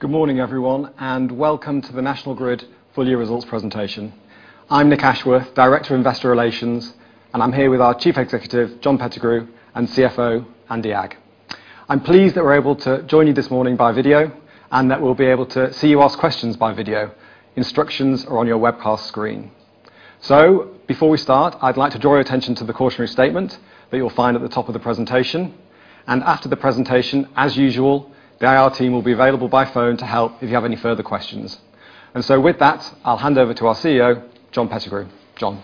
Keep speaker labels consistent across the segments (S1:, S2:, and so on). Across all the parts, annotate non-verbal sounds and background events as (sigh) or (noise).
S1: Good morning, everyone, and welcome to the National Grid full-year results presentation. I'm Nick Ashworth, Director of Investor Relations, and I'm here with our Chief Executive, John Pettigrew, and CFO, Andy Agg. I'm pleased that we're able to join you this morning by video and that we'll be able to see you ask questions by video. Instructions are on your webcast screen. Before we start, I'd like to draw your attention to the cautionary statement that you'll find at the top of the presentation. After the presentation, as usual, the IR team will be available by phone to help if you have any further questions. With that, I'll hand over to our CEO, John Pettigrew. John?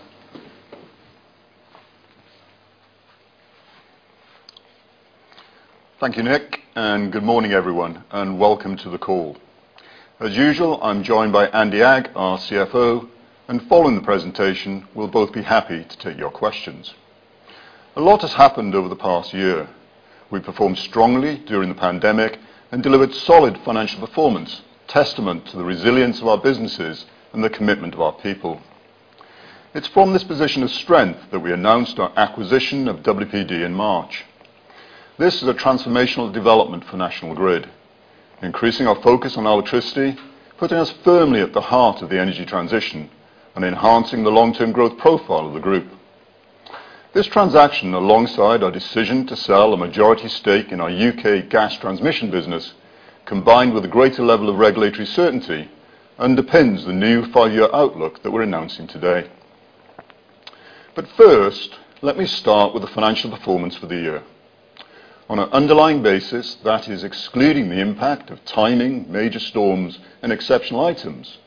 S2: Thank you, Nick, and good morning, everyone, and welcome to the call. As usual, I'm joined by Andy Agg, our CFO, and following the presentation, we'll both be happy to take your questions. A lot has happened over the past year. We performed strongly during the pandemic and delivered solid financial performance, testament to the resilience of our businesses and the commitment of our people. It's from this position of strength that we announced our acquisition of WPD in March. This is a transformational development for National Grid, increasing our focus on electricity, putting us firmly at the heart of the energy transition, and enhancing the long-term growth profile of the group. This transaction, alongside our decision to sell a majority stake in our U.K. gas transmission business, combined with a greater level of regulatory certainty, underpins the new five-year outlook that we're announcing today. First, let me start with the financial performance for the year. On an underlying basis, that is, excluding the impact of timing, major storms, and exceptional items,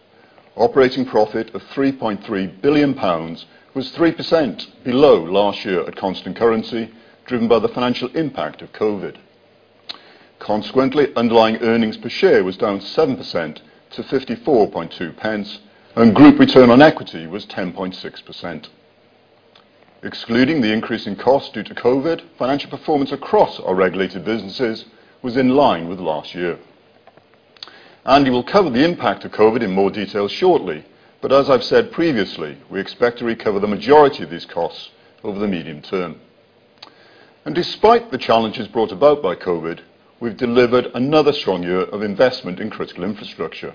S2: operating profit of 3.3 billion pounds was 3% below last year at constant currency, driven by the financial impact of COVID. Consequently, underlying earnings per share was down 7% to 0.542, and group return on equity was 10.6%. Excluding the increase in cost due to COVID, financial performance across our regulated businesses was in line with last year. Andy will cover the impact of COVID in more detail shortly, but as I've said previously, we expect to recover the majority of these costs over the medium term. Despite the challenges brought about by COVID, we've delivered another strong year of investment in critical infrastructure.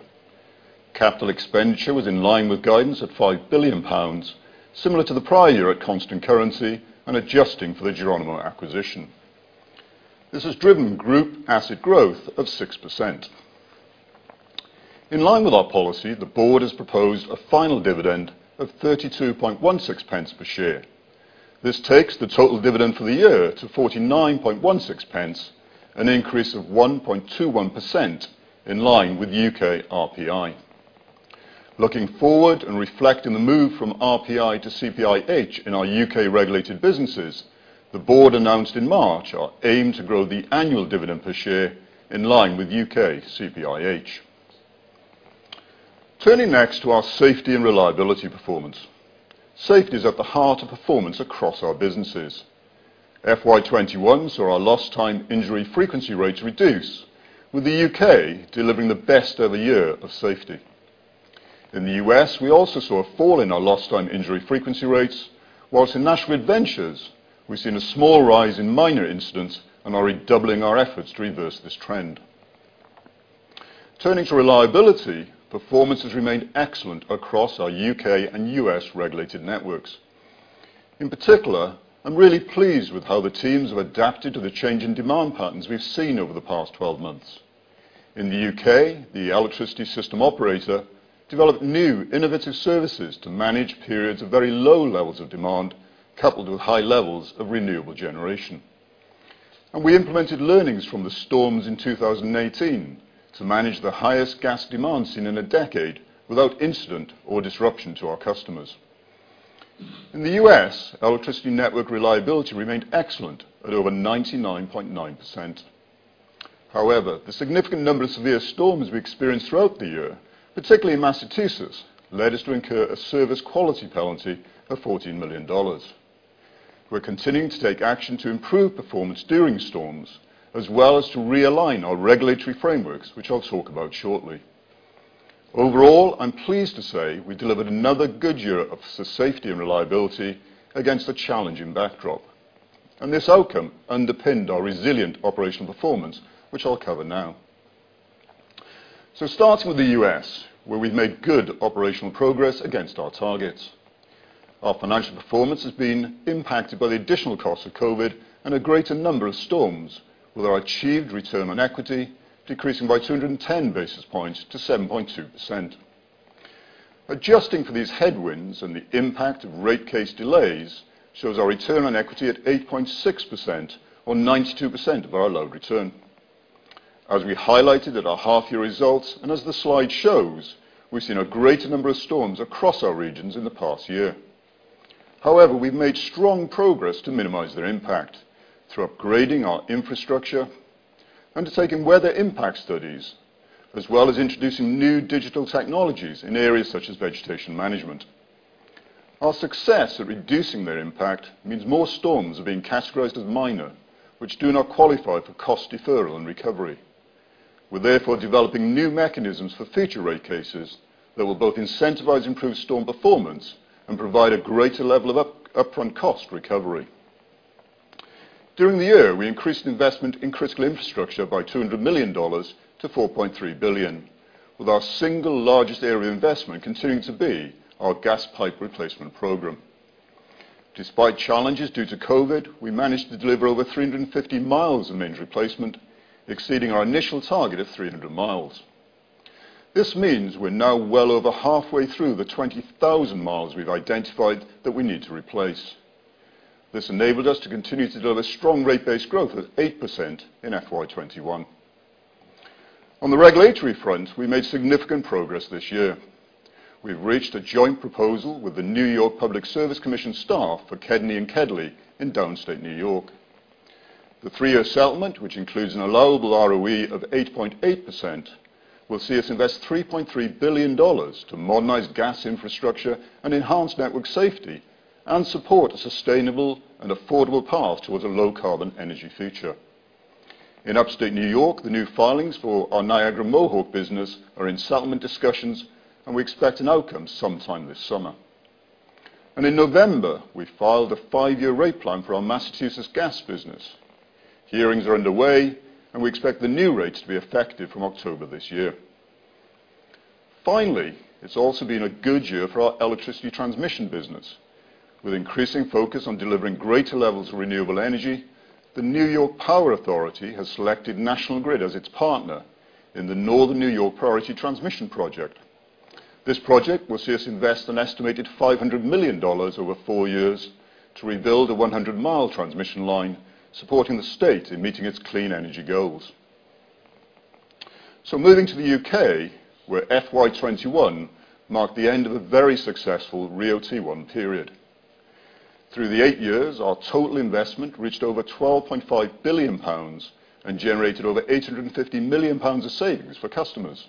S2: Capital expenditure was in line with guidance at 5 billion pounds, similar to the prior year at constant currency and adjusting for the Geronimo acquisition. This has driven group asset growth of 6%. In line with our policy, the board has proposed a final dividend of 0.3216 per share. This takes the total dividend for the year to 0.4916, an increase of 1.21% in line with U.K. RPI. Looking forward and reflecting the move from RPI to CPIH in our U.K.-regulated businesses, the board announced in March our aim to grow the annual dividend per share in line with U.K. CPIH. Turning next to our safety and reliability performance. Safety is at the heart of performance across our businesses. FY 2021 saw our Lost Time Injury Frequency Rates reduce, with the U.K. delivering the best-ever year of safety. In the U.S., we also saw a fall in our Lost Time Injury Frequency Rates, while in National Grid Ventures, we've seen a small rise in minor incidents and are redoubling our efforts to reverse this trend. Turning to reliability, performance has remained excellent across our U.K. and U.S.-regulated networks. In particular, I'm really pleased with how the teams have adapted to the change in demand patterns we've seen over the past 12 months. In the U.K., the electricity system operator developed new innovative services to manage periods of very low levels of demand, coupled with high levels of renewable generation. We implemented learnings from the storms in 2018 to manage the highest gas demand seen in a decade without incident or disruption to our customers. In the U.S., our electricity network reliability remained excellent at over 99.9%. However, the significant number of severe storms we experienced throughout the year, particularly in Massachusetts, led us to incur a service quality penalty of $14 million. We're continuing to take action to improve performance during storms as well as to realign our regulatory frameworks, which I'll talk about shortly. Overall, I'm pleased to say we delivered another good year of safety and reliability against a challenging backdrop, and this outcome underpinned our resilient operational performance, which I'll cover now. Starting with the U.S., where we've made good operational progress against our targets. Our financial performance has been impacted by the additional costs of COVID and a greater number of storms, with our achieved return on equity decreasing by 210 basis points to 7.2%. Adjusting for these headwinds and the impact of rate case delays shows our return on equity at 8.6%, or 92% of our allowed return. As we highlighted at our half-year results, and as the slide shows, we've seen a greater number of storms across our regions in the past year. However, we've made strong progress to minimize their impact through upgrading our infrastructure and undertaking weather impact studies, as well as introducing new digital technologies in areas such as vegetation management. Our success at reducing their impact means more storms are being categorized as minor, which do not qualify for cost deferral and recovery. We're therefore developing new mechanisms for future rate cases that will both incentivize improved storm performance and provide a greater level of upfront cost recovery. During the year, we increased investment in critical infrastructure by GBP 200 million to 4.3 billion, with our single largest area of investment continuing to be our gas pipe replacement program. Despite challenges due to COVID, we managed to deliver over 350mi of mains replacement, exceeding our initial target of 300mi. This means we're now well over halfway through the 20,000mi we've identified that we need to replace. This enabled us to continue to deliver strong rate-based growth of 8% in FY 2021. On the regulatory front, we made significant progress this year. We've reached a joint proposal with the New York Public Service Commission staff for KEDNY and KEDLI in Downstate, New York. The three-year settlement, which includes an allowable ROE of 8.8%, will see us invest $3.3 billion to modernize gas infrastructure and enhance network safety and support a sustainable and affordable path towards a low-carbon energy future. In Upstate New York, the new filings for our Niagara Mohawk business are in settlement discussions. We expect an outcome sometime this summer. In November, we filed a five-year rate plan for our Massachusetts gas business. Hearings are underway, and we expect the new rates to be effective from October this year. Finally, it's also been a good year for our electricity transmission business. With increasing focus on delivering greater levels of renewable energy, the New York Power Authority has selected National Grid as its partner in the Northern New York Priority Transmission project. This project will see us invest an estimated $500 million over four years to rebuild a 100-mile transmission line, supporting the state in meeting its clean energy goals. Moving to the U.K., where FY 2021 marked the end of a very successful RIIO-T1 period. Through the eight years, our total investment reached over 12.5 billion pounds and generated over 850 million pounds of savings for customers.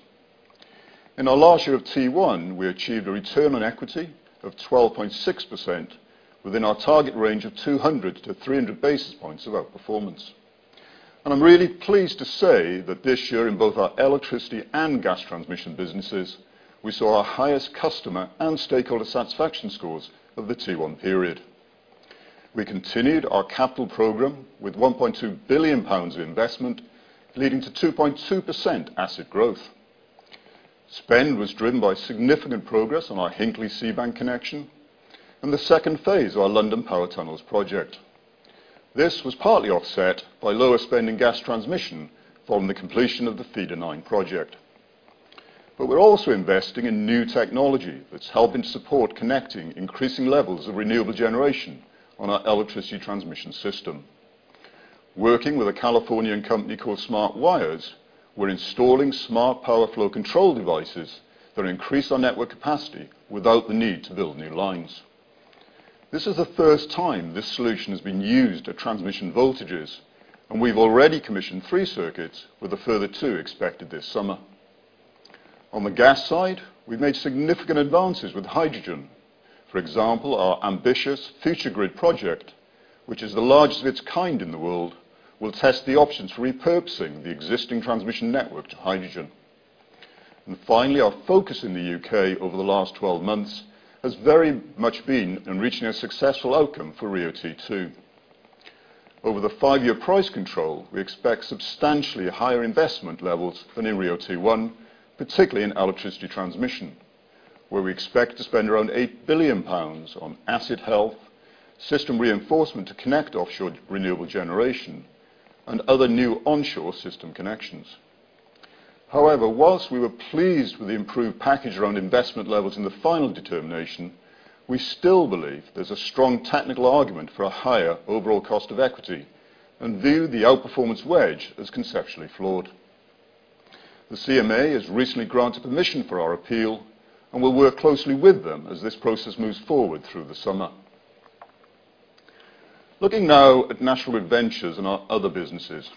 S2: In our last year of T1, we achieved a return on equity of 12.6% within our target range of 200-300 basis points of outperformance. I'm really pleased to say that this year, in both our electricity and gas transmission businesses, we saw our highest customer and stakeholder satisfaction scores of the T1 period. We continued our capital program with 1.2 billion pounds of investment, leading to 2.2% asset growth. Spend was driven by significant progress on our Hinkley-Seabank connection and the second phase of our London Power Tunnels project. This was partly offset by lower spend in gas transmission following the completion of the Feeder 9 project. We're also investing in new technology that's helping support connecting increasing levels of renewable generation on our electricity transmission system. Working with a Californian company called Smart Wires, we're installing smart power flow control devices that increase our network capacity without the need to build new lines. This is the first time this solution has been used at transmission voltages, and we've already commissioned three circuits with a further two expected this summer. On the gas side, we've made significant advances with hydrogen. For example, our ambitious Future Grid project, which is the largest of its kind in the world, will test the options for repurposing the existing transmission network to hydrogen. Finally, our focus in the U.K. over the last 12 months has very much been in reaching a successful outcome for RIIO-T2. Over the five-year price control, we expect substantially higher investment levels than in RIIO-T1, particularly in electricity transmission, where we expect to spend around 8 billion pounds on asset health, system reinforcement to connect offshore renewable generation, and other new onshore system connections. While we were pleased with the improved package around investment levels in the final determination, we still believe there's a strong technical argument for a higher overall cost of equity and view the outperformance wedge as conceptually flawed. The CMA has recently granted permission for our appeal, and we'll work closely with them as this process moves forward through the summer. Looking now at National Grid Ventures and our other businesses.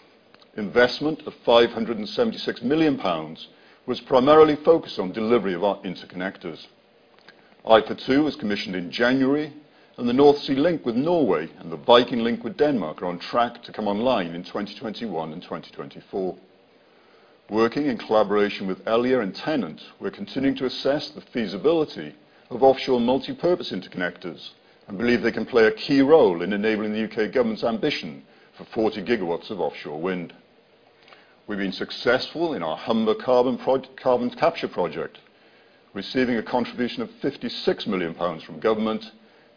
S2: Investment of 576 million pounds was primarily focused on delivery of our interconnectors. IFA2 was commissioned in January. The North Sea Link with Norway and the Viking Link with Denmark are on track to come online in 2021 and 2024. Working in collaboration with Elia and TenneT, we're continuing to assess the feasibility of offshore multipurpose interconnectors and believe they can play a key role in enabling the U.K. government's ambition for 40GW of offshore wind. We've been successful in our Humber Carbon Capture project, receiving a contribution of 56 million pounds from government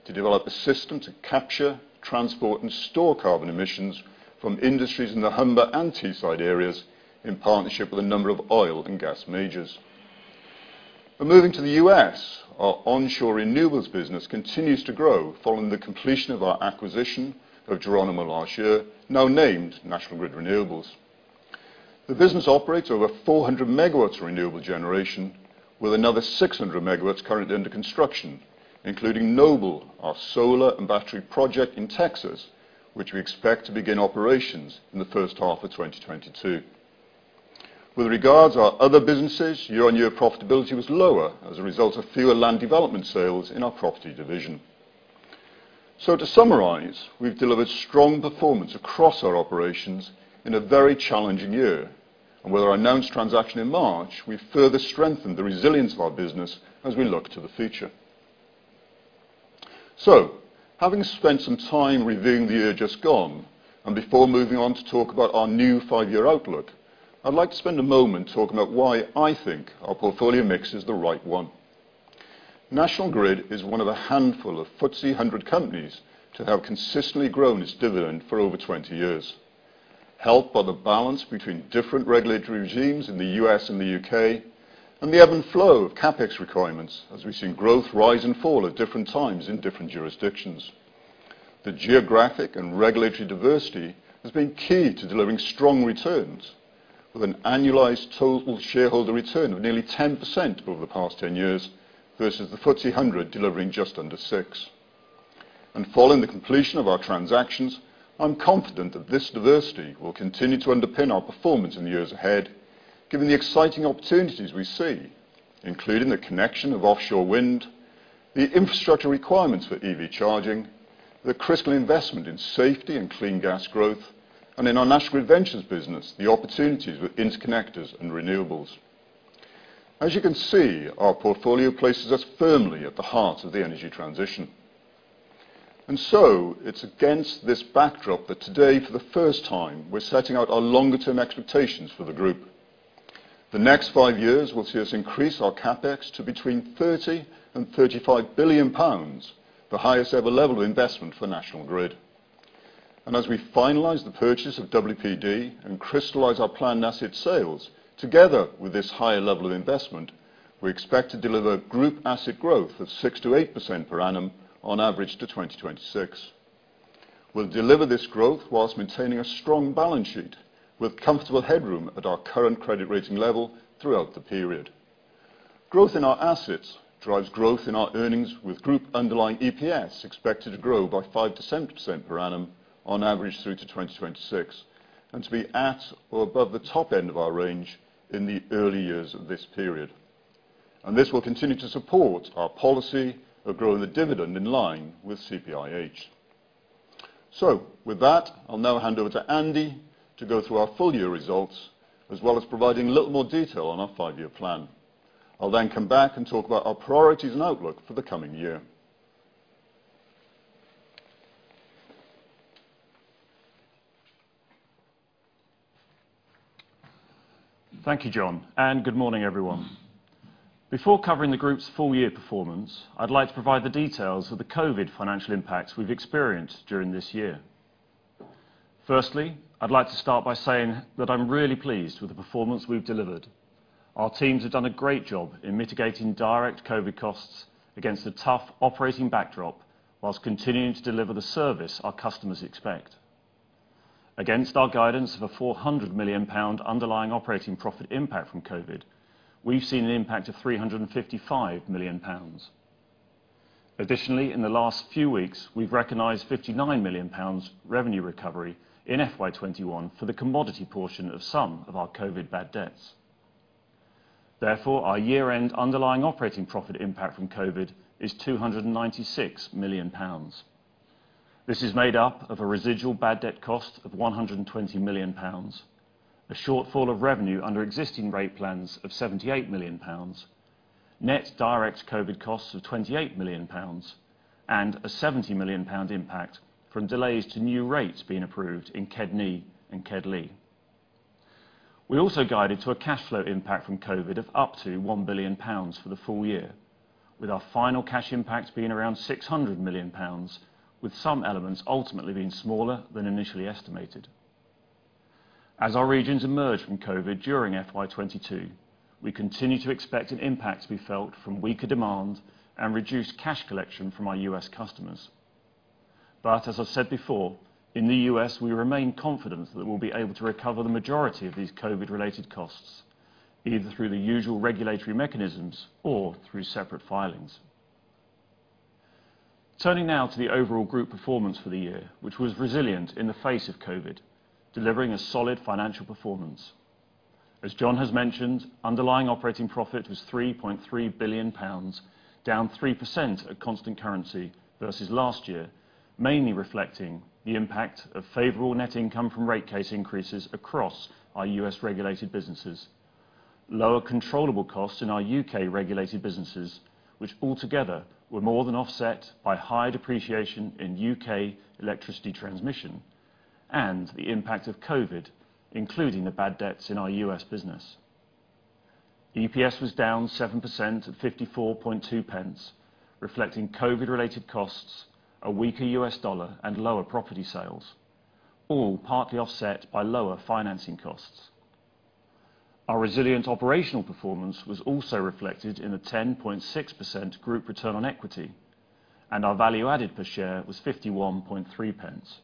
S2: to develop a system to capture, transport, and store carbon emissions from industries in the Humber and Teesside areas in partnership with a number of oil and gas majors. Moving to the U.S., our onshore renewables business continues to grow following the completion of our acquisition of Geronimo last year, now named National Grid Renewables. The business operates over 400MW of renewable generation, with another 600MW currently under construction, including Noble, our solar and battery project in Texas, which we expect to begin operations in the first half of 2022. With regard to our other businesses, year-over-year profitability was lower as a result of fewer land development sales in our property division. To summarize, we've delivered strong performance across our operations in a very challenging year. With our announced transaction in March, we further strengthened the resilience of our business as we look to the future. Having spent some time reviewing the year just gone, and before moving on to talk about our new five-year outlook, I'd like to spend a moment talking about why I think our portfolio mix is the right one. National Grid is one of a handful of FTSE 100 companies to have consistently grown its dividend for over 20 years, helped by the balance between different regulatory regimes in the U.S. and the U.K., and the ebb and flow of CapEx requirements as we've seen growth rise and fall at different times in different jurisdictions. The geographic and regulatory diversity has been key to delivering strong returns with an annualized total shareholder return of nearly 10% over the past 10 years, versus the FTSE 100 delivering just under 6%. Following the completion of our transactions, I'm confident that this diversity will continue to underpin our performance in the years ahead, given the exciting opportunities we see, including the connection of offshore wind, the infrastructure requirements for EV charging, the critical investment in safety and clean gas growth; and, in our National Grid Ventures business, the opportunities with interconnectors and renewables. As you can see, our portfolio places us firmly at the heart of the energy transition. It's against this backdrop that today, for the first time, we're setting out our longer-term expectations for the group. The next five years will see us increase our CapEx to between 30 billion GBP and 35 billion pounds, the highest-ever level of investment for National Grid. As we finalize the purchase of WPD and crystallize our planned asset sales, together with this higher level of investment, we expect to deliver group asset growth of 6%-8% per annum on average to 2026. We'll deliver this growth whilst maintaining a strong balance sheet with comfortable headroom at our current credit rating level throughout the period. Growth in our assets drives growth in our earnings, with group underlying EPS expected to grow by 5%-7% per annum on average through to 2026, and to be at or above the top end of our range in the early years of this period. This will continue to support our policy of growing the dividend in line with CPIH. With that, I'll now hand over to Andy to go through our full-year results as well as provide a little more detail on our five-year plan. I'll then come back and talk about our priorities and outlook for the coming year.
S3: Thank you, John, and good morning, everyone. Before covering the group's full year performance, I'd like to provide the details of the COVID financial impacts we've experienced during this year. Firstly, I'd like to start by saying that I'm really pleased with the performance we've delivered. Our teams have done a great job in mitigating direct COVID costs against a tough operating backdrop while continuing to deliver the service our customers expect. Against our guidance of a 400 million pound underlying operating profit impact from COVID, we've seen an impact of 355 million pounds. Additionally, in the last few weeks, we've recognized 59 million pounds revenue recovery in FY 2021 for the commodity portion of some of our COVID bad debts. Therefore, our year-end underlying operating profit impact from COVID is 296 million pounds. This is made up of a residual bad debt cost of 120 million pounds, a shortfall of revenue under existing rate plans of 78 million pounds, net direct COVID costs of 28 million pounds, and a 70 million pound impact from delays to new rates being approved in KEDNY and KEDLI. We also guided to a cash flow impact from COVID of up to 1 billion pounds for the full year, with our final cash impact being around 600 million pounds, with some elements ultimately being smaller than initially estimated. As our regions emerge from COVID during FY 2022, we continue to expect an impact to be felt from weaker demand and reduced cash collection from our U.S. customers. As I said before, in the U.S., we remain confident that we'll be able to recover the majority of these COVID-related costs, either through the usual regulatory mechanisms or through separate filings. Turning now to the overall group performance for the year, which was resilient in the face of COVID, delivering a solid financial performance. As John has mentioned, underlying operating profit was 3.3 billion pounds, down 3% at constant currency versus last year, mainly reflecting the impact of favorable net income from rate case increases across our U.S.-regulated businesses. Lower controllable costs in our U.K.-regulated businesses, which altogether were more than offset by higher depreciation in U.K. electricity transmission and the impact of COVID, including the bad debts in our U.S. business. EPS was down 7% at 0.542, reflecting COVID-related costs, a weaker U.S. dollar, and lower property sales, all partly offset by lower financing costs. Our resilient operational performance was also reflected in the 10.6% group return on equity, and our value added per share was 0.513.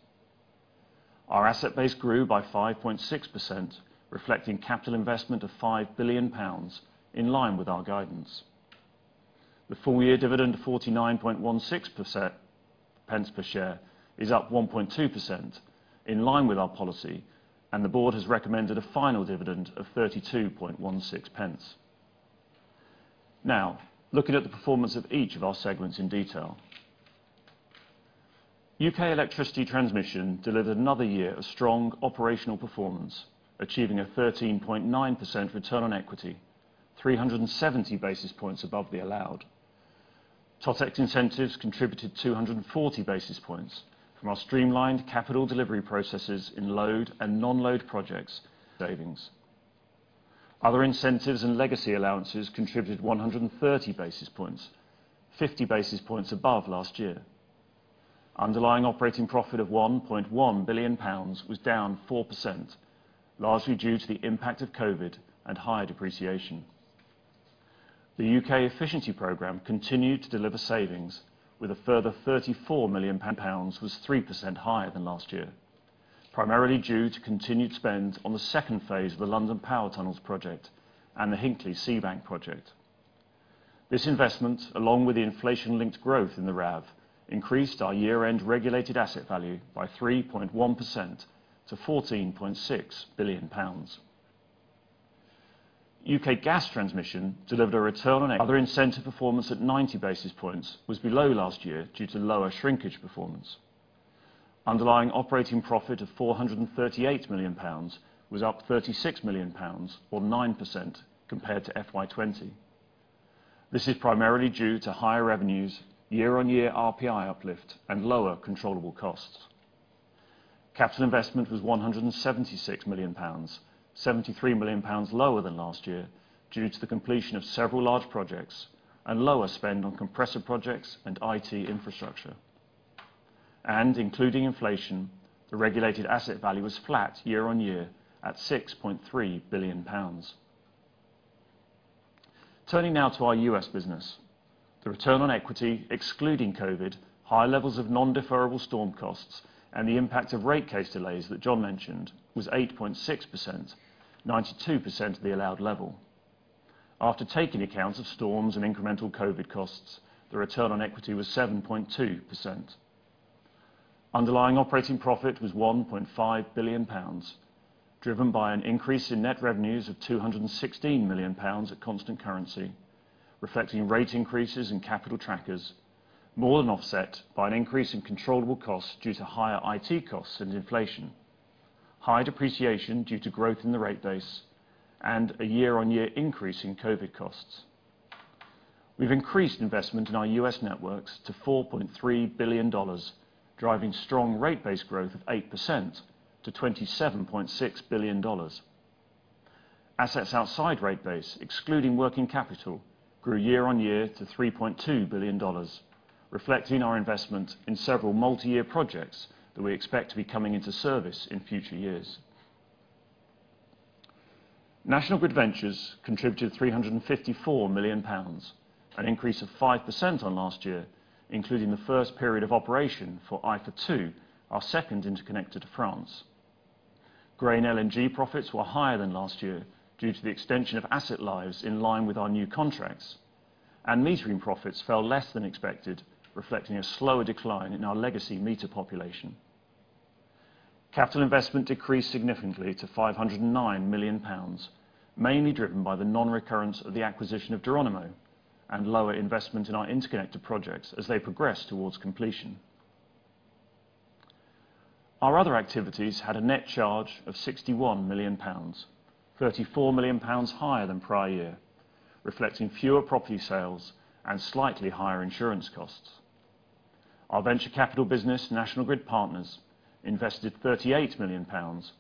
S3: Our asset base grew by 5.6%, reflecting capital investment of 5 billion pounds, in line with our guidance. The full-year dividend of 49.16 per share is up 1.2%, in line with our policy, and the board has recommended a final dividend of 32.16. Now, looking at the performance of each of our segments in detail. UK Electricity Transmission delivered another year of strong operational performance, achieving a 13.9% return on equity, 370 basis points above the allowed. TOTEX incentives contributed 240 basis points from our streamlined capital delivery processes in load and non-load projects savings. Other incentives and legacy allowances contributed 130 basis points, 50 basis points above last year. Underlying operating profit of 1.1 billion pounds was down 4%, largely due to the impact of COVID and higher depreciation. The UK efficiency program continued to deliver savings, with a further 34 million pounds was 3% higher than last year, primarily due to continued spend on the second phase of the London Power Tunnels project and the Hinkley Seabank project. This investment, along with the inflation-linked growth in the RAV, increased our year-end regulated asset value by 3.1% to 14.6 billion pounds. UK gas transmission delivered a return on other incentive performance at 90 basis points was below last year due to lower shrinkage performance. Underlying operating profit of 438 million pounds was up 36 million pounds, or 9%, compared to FY 2020. This is primarily due to higher revenues year-on-year RPI uplift and lower controllable costs. Capital investment was 176 million pounds, 73 million pounds lower than last year due to the completion of several large projects and lower spend on compressor projects and IT infrastructure. including inflation, the regulated asset value was flat year-on-year at 6.3 billion pounds. Turning now to our U.S. business. The return on equity excluding COVID, high levels of non-deferrable storm costs, and the impact of rate case delays that John mentioned was 8.6%, 92% of the allowed level. After taking account of storms and incremental COVID costs, the return on equity was 7.2%. Underlying operating profit was 1.5 billion pounds, driven by an increase in net revenues of 216 million pounds at constant currency, reflecting rate increases in capital trackers, more than offset by an increase in controllable costs due to higher IT costs and inflation, high depreciation due to growth in the rate base, and a year-on-year increase in COVID costs. We've increased investment in our U.S. networks to $4.3 billion, driving strong rate base growth of 8% to $27.6 billion. Assets outside rate base, excluding working capital, grew year-over-year to GBP 3.2 billion, reflecting our investment in several multi-year projects that we expect to be coming into service in future years. National Grid Ventures contributed 354 million pounds, an increase of 5% on last year, including the first period of operation for IFA2, our second interconnector to France. Grain LNG profits were higher than last year due to the extension of asset lives in line with our new contracts. Metering profits fell less than expected, reflecting a slower decline in our legacy meter population. Capital investment decreased significantly to 509 million pounds, mainly driven by the non-recurrence of the acquisition of Geronimo and lower investment in our interconnector projects as they progress towards completion. Our other activities had a net charge of 61 million pounds, 34 million pounds higher than prior year, reflecting fewer property sales and slightly higher insurance costs. Our venture capital business, National Grid Partners, invested 38 million pounds,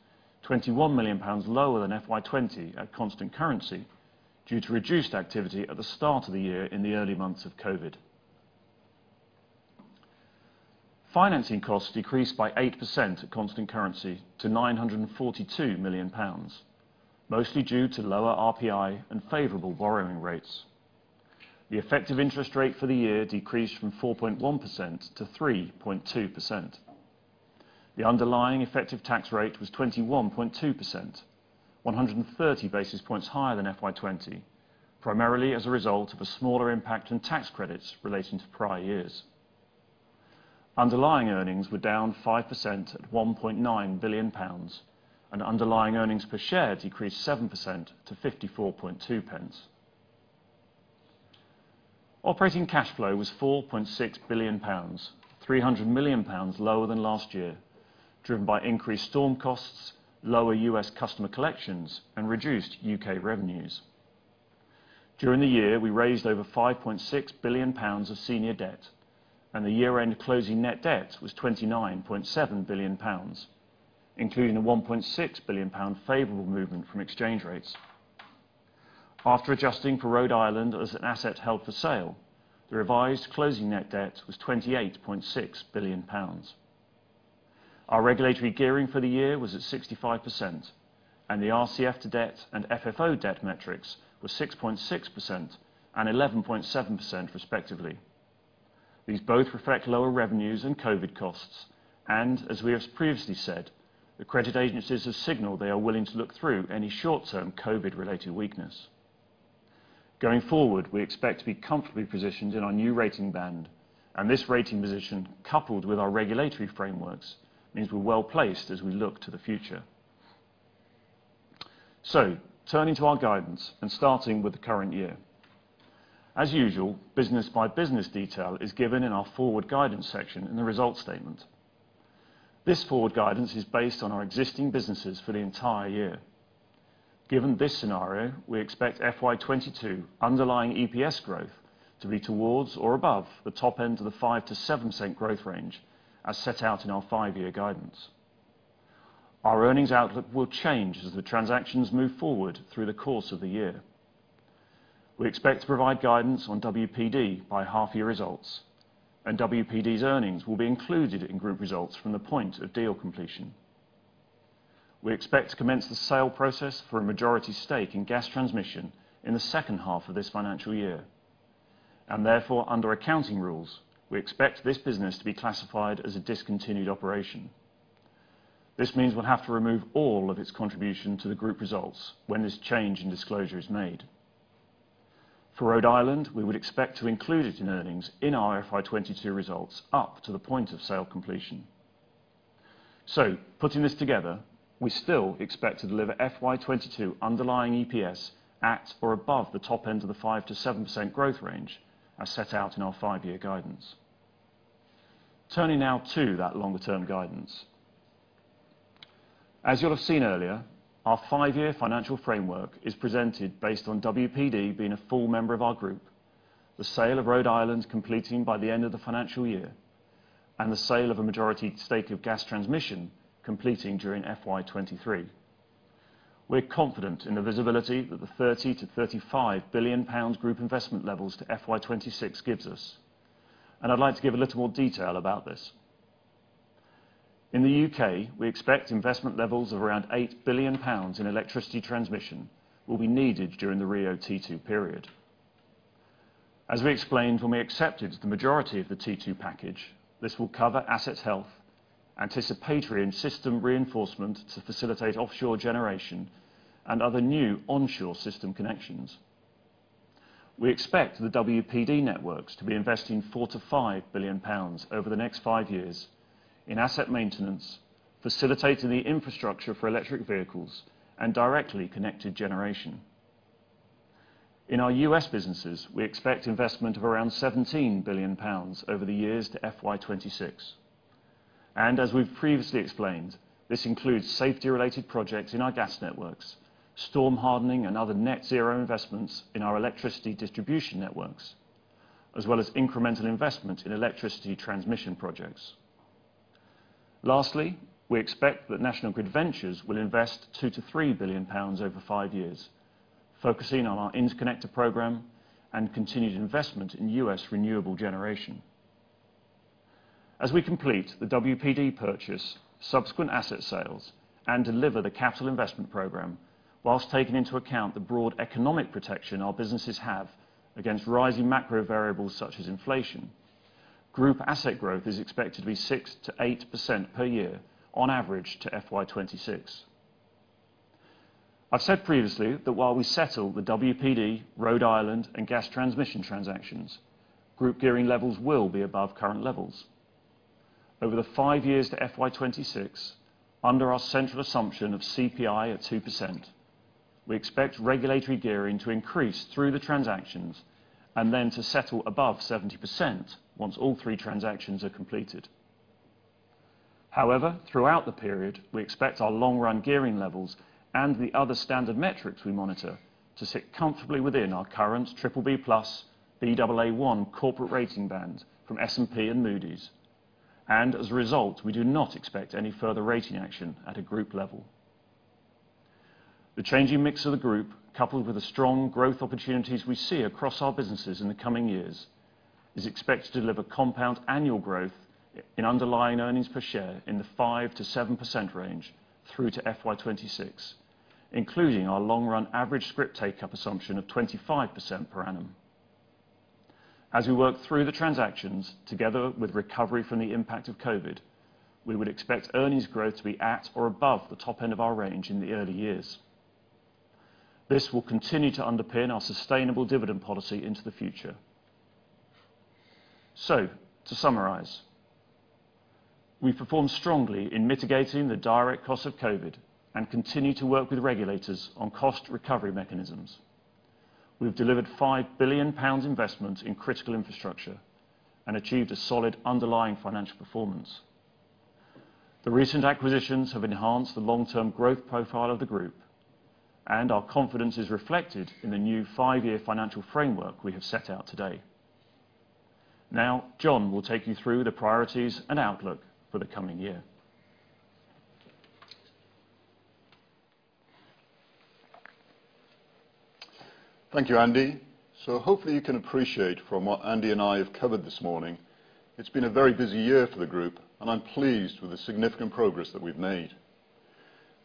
S3: 21 million pounds lower than FY 2020 at constant currency due to reduced activity at the start of the year in the early months of COVID. Financing costs decreased by 8% at constant currency to 942 million pounds, mostly due to lower RPI and favorable borrowing rates. The effective interest rate for the year decreased from 4.1% to 3.2%. The underlying effective tax rate was 21.2%, 130 basis points higher than FY 2020, primarily as a result of a smaller impact on tax credits relating to prior years. Underlying earnings were down 5% at 1.9 billion pounds, and underlying earnings per share decreased 7% to 0.542. Operating cash flow was 4.6 billion pounds, 300 million pounds lower than last year, driven by increased storm costs, lower U.S. customer collections, and reduced U.K. revenues. During the year, we raised over 5.6 billion pounds of senior debt, and the year-end closing net debt was 29.7 billion pounds, including a 1.6 billion pound favorable movement from exchange rates. After adjusting for Rhode Island as an asset held for sale, the revised closing net debt was 28.6 billion pounds. Our regulatory gearing for the year was at 65%, and the RCF to debt and FFO debt metrics were 6.6% and 11.7%, respectively. These both reflect lower revenues and COVID costs, and as we have previously said, the credit agencies have signaled they are willing to look through any short-term COVID-related weakness. Going forward, we expect to be comfortably positioned in our new rating band, and this rating position, coupled with our regulatory frameworks, means we're well placed as we look to the future. Turning to our guidance and starting with the current year. As usual, business-by-business detail is given in our forward guidance section in the results statement. This forward guidance is based on our existing businesses for the entire year. Given this scenario, we expect FY 2022 underlying EPS growth to be towards or above the top end of the 5%-7% growth range as set out in our five-year guidance. Our earnings outlook will change as the transactions move forward through the course of the year. We expect to provide guidance on WPD by half-year results, and WPD's earnings will be included in group results from the point of deal completion. We expect to commence the sale process for a majority stake in Gas Transmission in the second half of this financial year. Therefore, under accounting rules, we expect this business to be classified as a discontinued operation. This means we'll have to remove all of its contribution to the group results when this change in disclosure is made. For Rhode Island, we would expect to include it in earnings in our FY 2022 results up to the point of sale completion. Putting this together, we still expect to deliver FY 2022 underlying EPS at or above the top end of the 5%-7% growth range as set out in our five-year guidance. Turning now to that longer-term guidance. As you'll have seen earlier, our five-year financial framework is presented based on WPD being a full member of our group, the sale of Rhode Island completing by the end of the financial year, and the sale of a majority stake of Gas Transmission completing during FY 2023. We're confident in the visibility that the 30 billion-35 billion pound group investment levels in FY 2026 gives us, and I'd like to give a little more detail about this. In the U.K., we expect investment levels of around 8 billion pounds in electricity transmission will be needed during the RIIO-T2 period. As we explained when we accepted the majority of the T2 package, this will cover asset health, anticipatory and system reinforcement to facilitate offshore generation, and other new onshore system connections. We expect the WPD networks to be investing 4 billion-5 billion pounds over the next five years in asset maintenance, facilitating the infrastructure for electric vehicles, and directly connected generation. In our U.S. businesses, we expect investment of around 17 billion pounds over the years to FY 2026. As we've previously explained, this includes safety-related projects in our gas networks, storm hardening, and other net zero investments in our electricity distribution networks, as well as incremental investment in electricity transmission projects. Lastly, we expect that National Grid Ventures will invest 2 billion-3 billion pounds over five years, focusing on our interconnector program and continued investment in U.S. renewable generation. As we complete the WPD purchase, subsequent asset sales, and deliver the capital investment program, while taking into account the broad economic protection our businesses have against rising macro variables such as inflation, group asset growth is expected to be 6%-8% per year on average to FY 2026. I've said previously that while we settle the WPD, Rhode Island, and Gas Transmission transactions, group gearing levels will be above current levels. Over the five years to FY 2026, under our central assumption of CPI at 2%, we expect regulatory gearing to increase through the transactions and then to settle above 70% once all three transactions are completed. However, throughout the period, we expect our long-run gearing levels and the other standard metrics we monitor to sit comfortably within our current BBB+/Baa1 corporate rating band from S&P and Moody's. As a result, we do not expect any further rating action at a group level. The changing mix of the group, coupled with the strong growth opportunities we see across our businesses in the coming years, is expected to deliver compound annual growth in underlying earnings per share in the 5%-7% range through to FY 2026, including our long-run average scrip take-up assumption of 25% per annum. As we work through the transactions, together with recovery from the impact of COVID, we would expect earnings growth to be at or above the top end of our range in the early years. This will continue to underpin our sustainable dividend policy into the future. To summarize, we've performed strongly in mitigating the direct cost of COVID and continue to work with regulators on cost recovery mechanisms. We've delivered 5 billion pounds investment in critical infrastructure and achieved a solid underlying financial performance. The recent acquisitions have enhanced the long-term growth profile of the group, and our confidence is reflected in the new five-year financial framework we have set out today. Now John will take you through the priorities and outlook for the coming year.
S2: Thank you, Andy. Hopefully you can appreciate from what Andy and I have covered this morning, it's been a very busy year for the group, and I'm pleased with the significant progress that we've made.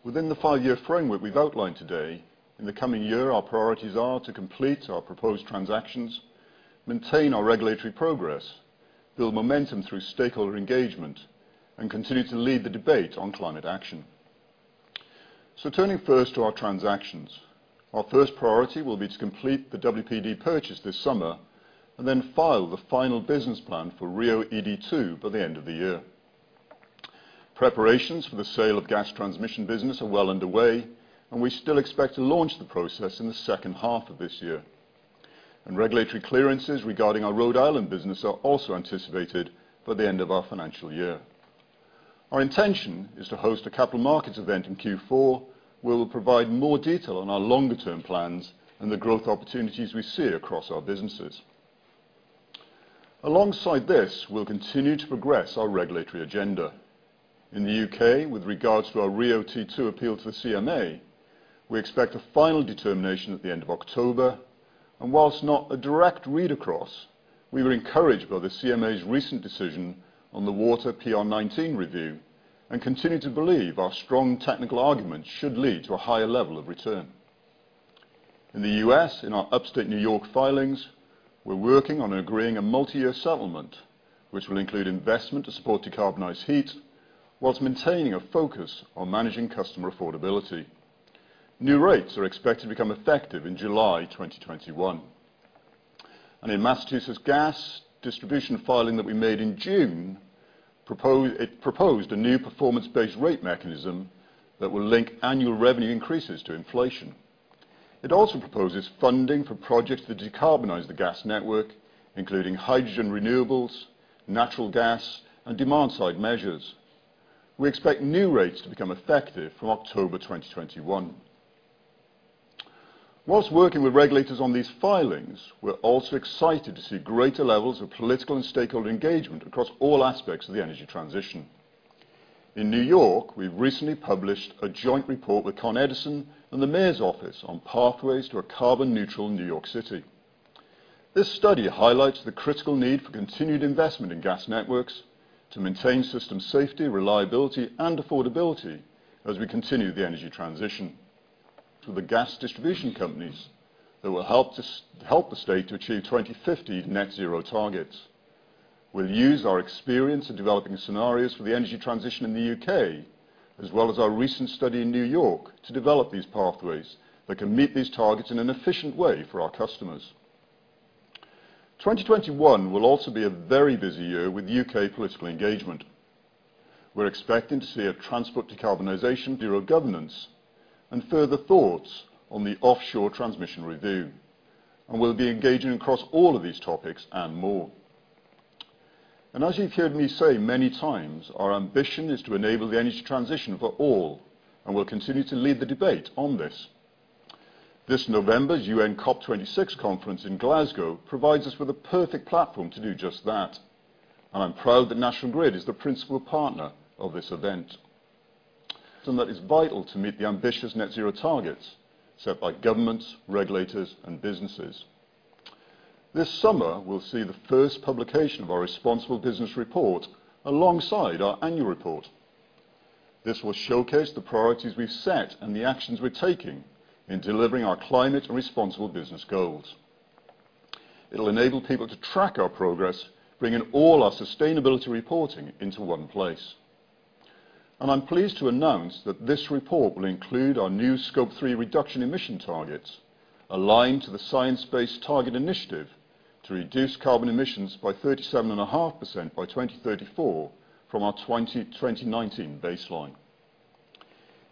S2: Within the five-year framework we've outlined today, in the coming year, our priorities are to complete our proposed transactions, maintain our regulatory progress, build momentum through stakeholder engagement, and continue to lead the debate on climate action. Turning first to our transactions. Our first priority will be to complete the WPD purchase this summer and then file the final business plan for RIIO-ED2 by the end of the year. Preparations for the sale of gas transmission business are well underway, and we still expect to launch the process in the second half of this year. Regulatory clearances regarding our Rhode Island business are also anticipated by the end of our financial year. Our intention is to host a capital markets event in Q4, where we'll provide more detail on our longer-term plans and the growth opportunities we see across our businesses. Alongside this, we'll continue to progress our regulatory agenda. In the UK, with regards to our RIIO-T2 appeal to the CMA, we expect a final determination at the end of October. While not a direct read across, we were encouraged by the CMA's recent decision on the water PR19 review and continue to believe our strong technical argument should lead to a higher level of return. In the US, in our Upstate New York filings, we're working on agreeing on a multi-year settlement, which will include investment to support decarbonized heat while maintaining a focus on managing customer affordability. New rates are expected to become effective in July 2021. In Massachusetts Gas Distribution filing that we made in June, it proposed a new performance-based rate mechanism that will link annual revenue increases to inflation. It also proposes funding for projects that decarbonize the gas network, including hydrogen renewables, natural gas, and demand-side measures. We expect new rates to become effective from October 2021. While working with regulators on these filings, we're also excited to see greater levels of political and stakeholder engagement across all aspects of the energy transition. In New York, we've recently published a joint report with Con Edison and the mayor's office on pathways to a carbon-neutral New York City. This study highlights the critical need for continued investment in gas networks to maintain system safety, reliability, and affordability as we continue the energy transition through the gas distribution companies that will help the state to achieve 2050 net zero targets. We'll use our experience in developing scenarios for the energy transition in the U.K., as well as our recent study in New York, to develop these pathways that can meet these targets in an efficient way for our customers. 2021 will also be a very busy year with U.K. political engagement. We're expecting to see a transport decarbonization bureau of governance and further thoughts on the offshore transmission review, and we'll be engaging across all of these topics and more. As you've heard me say many times, our ambition is to enable the energy transition for all, and we'll continue to lead the debate on this. This November's UN COP26 conference in Glasgow provides us with a perfect platform to do just that, and I'm proud that National Grid is the principal partner of this event. That is vital to meet the ambitious net zero targets set by governments, regulators, and businesses. This summer will see the first publication of our responsible business report alongside our annual report. This will showcase the priorities we've set and the actions we're taking in delivering our climate and responsible business goals. It'll enable people to track our progress, bringing all our sustainability reporting into one place. I'm pleased to announce that this report will include our new Scope 3 reduction emission targets, aligned to the Science Based Targets initiative to reduce carbon emissions by 37.5% by 2034 from our 2019 baseline.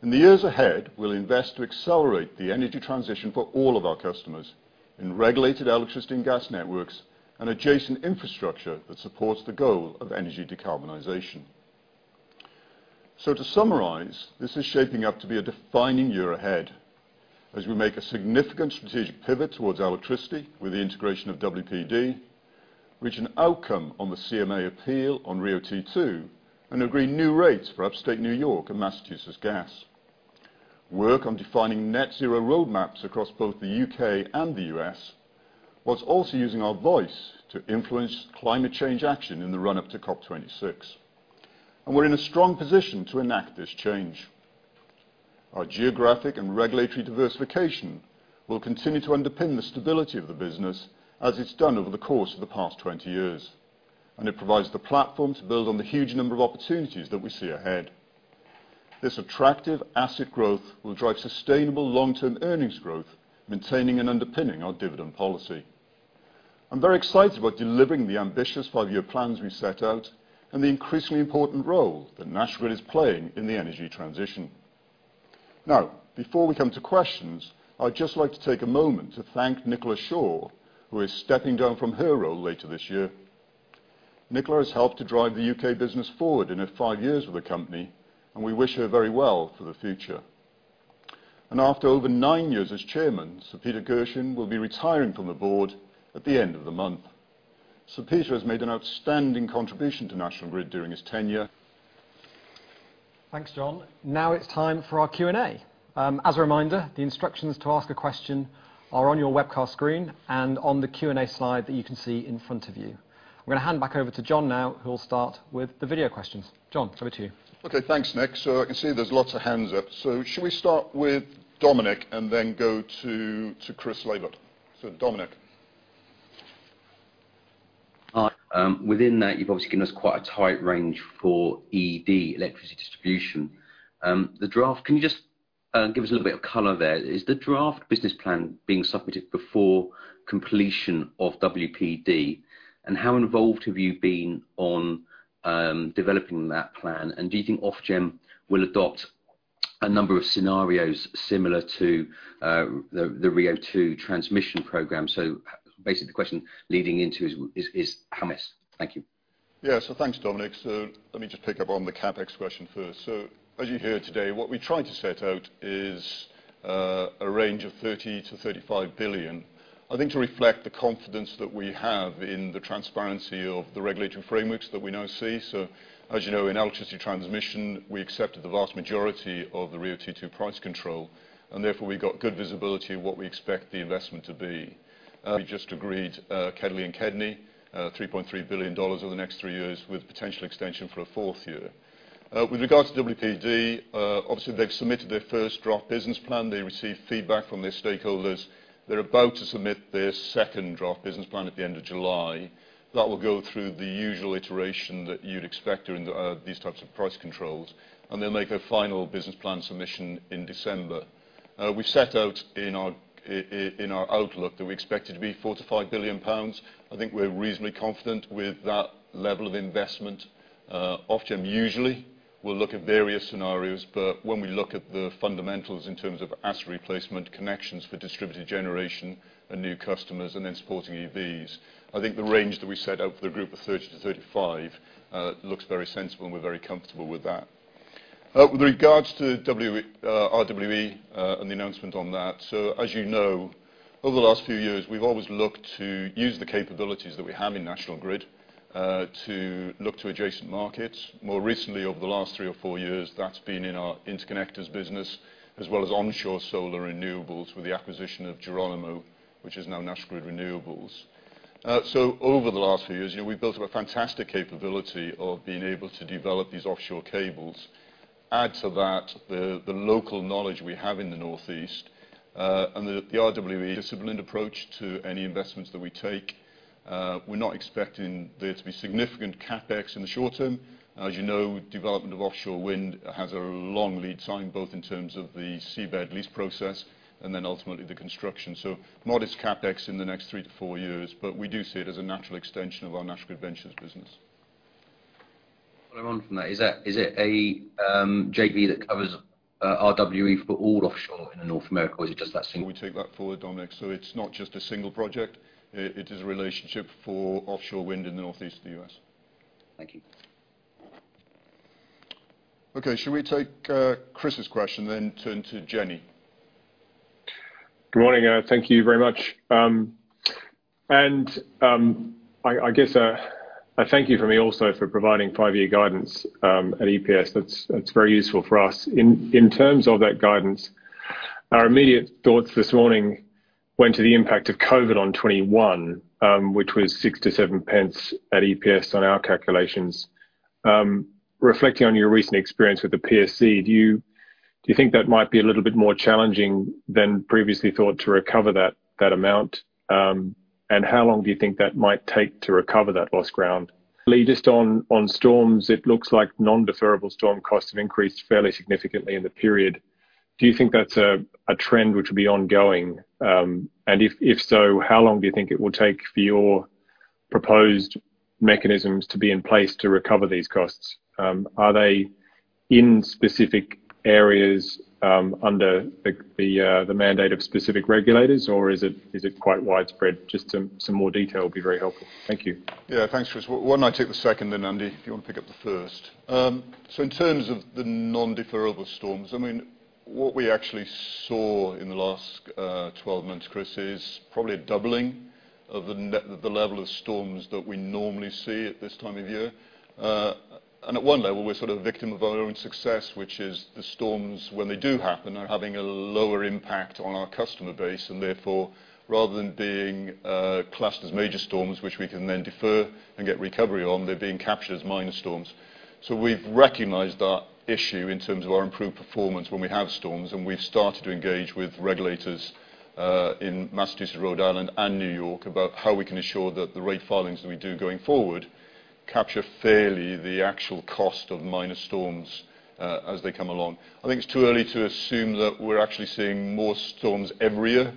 S2: In the years ahead, we'll invest to accelerate the energy transition for all of our customers in regulated electricity and gas networks and adjacent infrastructure that supports the goal of energy decarbonization. To summarize, this is shaping up to be a defining year ahead as we make a significant strategic pivot towards electricity with the integration of WPD, reach an outcome on the CMA appeal on RIIO-T2, and agree on new rates for Upstate New York and Massachusetts Gas. Work on defining net-zero roadmaps across both the U.K. and the U.S., while also using our voice to influence climate change action in the run-up to COP26. We're in a strong position to enact this change. Our geographic and regulatory diversification will continue to underpin the stability of the business as it's done over the course of the past 20 years. It provides the platform to build on the huge number of opportunities that we see ahead. This attractive asset growth will drive sustainable long-term earnings growth, maintaining and underpinning our dividend policy. I'm very excited about delivering the ambitious five-year plans we set out and the increasingly important role that National Grid is playing in the energy transition. Now, before we come to questions, I'd just like to take a moment to thank Nicola Shaw, who is stepping down from her role later this year. Nicola has helped to drive the U.K. business forward in her five years with the company, and we wish her very well for the future. After over nine years as chairman, Sir Peter Gershon will be retiring from the board at the end of the month. Sir Peter has made an outstanding contribution to National Grid during his tenure.
S1: Thanks, John. Now it's time for our Q&A. As a reminder, the instructions to ask a question are on your webcast screen and on the Q&A slide that you can see in front of you. I'm going to hand back over to John now, who will start with the video questions. John, over to you.
S2: Okay, thanks Nick. I can see there are lots of hands up. Shall we start with Dominic and then go to Chris Laybutt? Dominic.
S4: Hi. Within that, you've obviously given us quite a tight range for ED, electricity distribution. The draft, can you just give us a bit of color there? Is the draft business plan being submitted before completion of WPD? How involved have you been on developing that plan? Do you think Ofgem will adopt a number of scenarios similar to the RIIO-T2 transmission program? Basically, the question leading into is premise. Thank you.
S2: Yeah. Thanks, Dominic. Let me just pick up on the CapEx question first. As you hear today, what we're trying to set out is a range of 30-35 billion, I think, to reflect the confidence that we have in the transparency of the regulatory frameworks that we now see. As you know, in electricity transmission, we accepted the vast majority of the RIIO-T2 price control, and therefore we've got good visibility of what we expect the investment to be. We just agreed KEDLI and KEDNY, $3.3 billion over the next three years with a potential extension for a fourth year. With regards to WPD, obviously, they've submitted their first draft business plan. They received feedback from their stakeholders. They're about to submit their second draft business plan at the end of July. That will go through the usual iteration that you'd expect under these types of price controls, and they make a final business plan submission in December. We set out in our outlook that we expect it to be 45 billion pounds. I think we're reasonably confident with that level of investment. Ofgem usually will look at various scenarios, but when we look at the fundamentals, in terms of asset replacement, connections for distributed generation, and new customers, and then supporting EVs. I think the range that we set out for the group of 30-35 looks very sensible, and we're very comfortable with that. With regard to RWE and the announcement on that, as you know, over the last few years, we've always looked to use the capabilities that we have in National Grid to look to adjacent markets. More recently, over the last three or four years, that's been in our interconnector business, as well as onshore solar renewables with the acquisition of Geronimo, which is now National Grid Renewables. Over the last few years, we've built a fantastic capability of being able to develop these offshore cables. Add to that the local knowledge we have in the Northeast and the RWE disciplined approach to any investments that we take. We're not expecting there to be significant CapEx in the short term. As you know, development of offshore wind has a long lead time, both in terms of the seabed lease process and then ultimately the construction. Modest CapEx in the next three to four years, but we do see it as a natural extension of our National Grid Ventures business.
S4: Follow on from that. Is it a JV that covers RWE for all offshore in North America, or is it just that single.
S2: We take that forward, Dominic. It's not just a single project. It is a relationship for offshore wind in the Northeast and U.S.
S4: Thank you.
S2: Okay. Shall we take Chris's question and then turn to Jenny?
S5: Good morning. Thank you very much. I guess a thank you from me also for providing five-year guidance at EPS. That's very useful for us. In terms of that guidance, our immediate thoughts this morning went to the impact of COVID on 2021, which was 0.06-0.07 pence at EPS on our calculations. Reflecting on your recent experience with the PSC, do you think that might be a little bit more challenging than previously thought to recover that amount? How long do you think that might take to recover that lost ground? Just on storms, it looks like non-deferrable storm costs have increased fairly significantly in the period. Do you think that's a trend which will be ongoing? If so, how long do you think it will take for your proposed mechanisms to be in place to recover these costs? Are they in specific areas under the mandate of specific regulators, or is it quite widespread? Just some more detail would be very helpful. Thank you.
S2: Yeah. Thanks, Chris. Why not take the second then, Andy, if you want to pick up the first? In terms of the non-deferrable storms, what we actually saw in the last 12 months, Chris, is probably a doubling of the level of storms that we normally see at this time of year. At one level, we're sort of victim of our own success, which is the storms, when they do happen, are having a lower impact on our customer base, and therefore, rather than being classed as major storms, which we can then defer and get recovery on, they're being captured as minor storms. We've recognized that issue in terms of our improved performance when we have storms, and we've started to engage with regulators in Massachusetts, Rhode Island, and New York about how we can ensure that the rate filings that we do going forward capture fairly the actual cost of minor storms as they come along. I think it's too early to assume that we're actually seeing more storms every year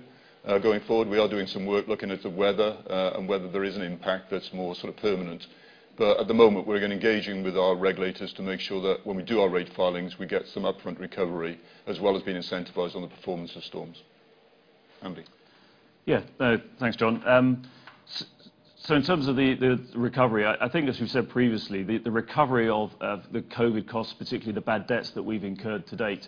S2: going forward. We are doing some work looking into weather and whether there is an impact that's more sort of permanent. At the moment, we're engaging with our regulators to make sure that when we do our rate filings, we get some upfront recovery as well as being incentivized on the performance of storms. Andy.
S3: Yeah. Thanks, John. In terms of the recovery, I think, as we said previously, the recovery of the COVID costs, particularly the bad debts that we've incurred to date,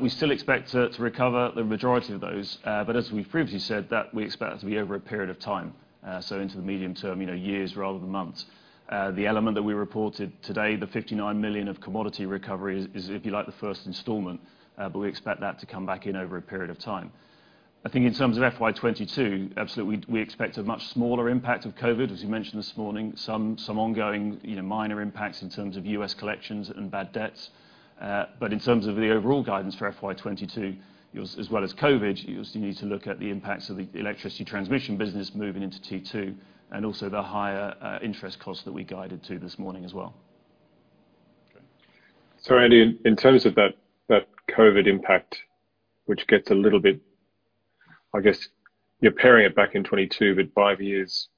S3: we still expect to recover the majority of those, but as we previously said, we expect to be over a period of time, so into the medium term, years rather than months. The element that we reported today, the 59 million of commodity recovery, is, if you like, the first installment, but we expect that to come back in over a period of time. I think in terms of FY 2022, absolutely, we expect a much smaller impact of COVID. As we mentioned this morning, some ongoing minor impacts in terms of U.S. collections and bad debts. In terms of the overall guidance for FY 2022, as well as COVID, you also need to look at the impacts of the electricity transmission business moving into T2 and also the higher interest cost that we guided to this morning as well.
S5: Andy, in terms of that COVID impact, which gets a little bit, I guess you're paring it back in 2022, but five years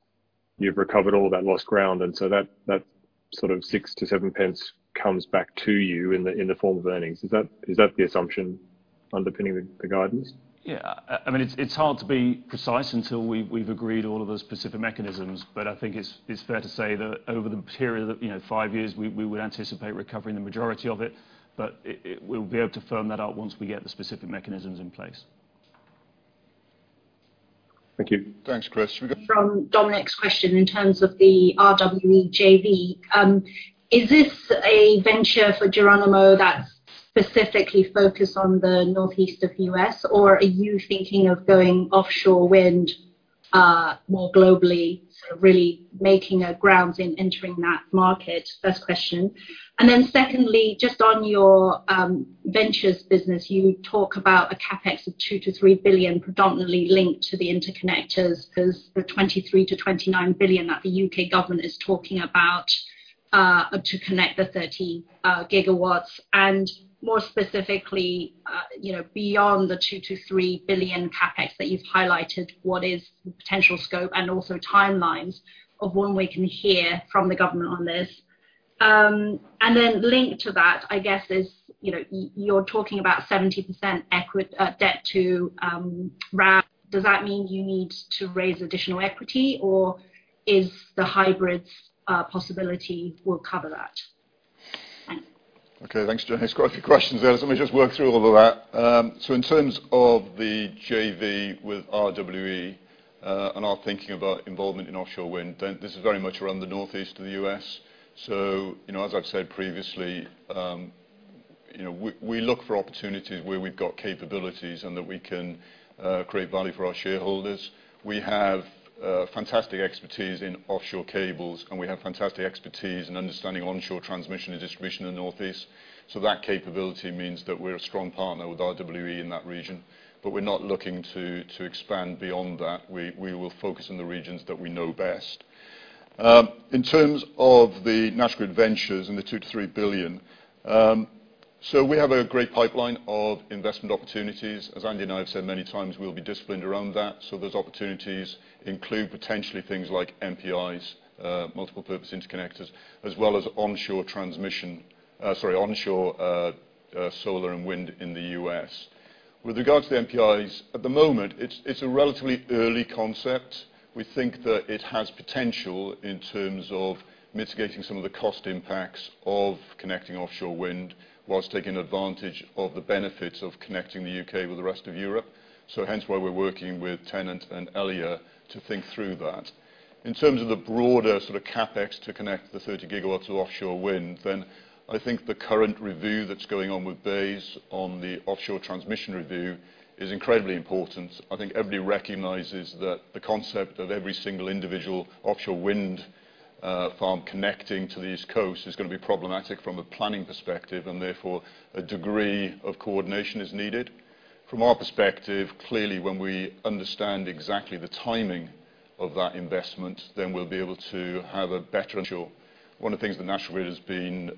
S5: you've recovered all of that lost ground, and so that sort of 0.06-0.07 comes back to you in the form of earnings. Is that the assumption underpinning the guidance?
S3: Yeah. It's hard to be precise until we've agreed all of the specific mechanisms, but I think it's fair to say that over the period of five years, we would anticipate recovering the majority of it, but we'll be able to firm that up once we get the specific mechanisms in place.
S5: Thank you.
S2: Thanks, Chris. (inaudible)
S6: From Dominic's question in terms of the RWE JV, is this a venture for Geronimo that's specifically focused on the northeast of the U.S., or are you thinking of going into offshore wind more globally, sort of really making inroads in entering that market? First question, and then secondly, just on your ventures' business, you talk about a CapEx of 2 billion-3 billion predominantly linked to the interconnectors because the 23 billion-29 billion that the U.K. government is talking about to connect the 13 GW and, more specifically, beyond the two to three billion CapEx that you've highlighted, what is the potential scope and also timelines of when we can hear from the government on this? then linked to that, I guess, is you're talking about 70% debt to RAV. Does that mean you need to raise additional equity, or is the hybrids possibility cover that? Thanks.
S2: Okay. Thanks, Jenny. It's quite a few questions there, so let me just work through all of that. In terms of the JV with RWE, and our thinking about involvement in offshore wind, then this is very much around the Northeast of the U.S. As I've said previously, we look for opportunities where we've got capabilities and that we can create value for our shareholders. We have fantastic expertise in offshore cables, and we have fantastic expertise in understanding onshore transmission and distribution in the Northeast. That capability means that we're a strong partner with RWE in that region, but we're not looking to expand beyond that. We will focus on the regions that we know best. In terms of National Grid Ventures and the 2 billion-3 billion, we have a great pipeline of investment opportunities. As Andy and I have said many times, we'll be disciplined around that. Those opportunities include potentially things like MPIs, multi-purpose interconnectors, as well as onshore solar and wind in the U.S. With regards to the MPIs, at the moment, it's a relatively early concept. We think that it has potential in terms of mitigating some of the cost impacts of connecting offshore wind while taking advantage of the benefits of connecting the U.K. with the rest of Europe. Hence, we're working with TenneT and Elia to think through that. In terms of the broader sort of CapEx to connect the 30GW of offshore wind, then I think the current review that's going on with BEIS on the offshore transmission review is incredibly important. I think everybody recognizes that the concept of every single individual offshore wind farm connecting to the East Coast is going to be problematic from a planning perspective, and therefore a degree of coordination is needed. From our perspective, clearly, when we understand exactly the timing of that investment, then we'll be able to have better. (inaudible) One of the things that National Grid has been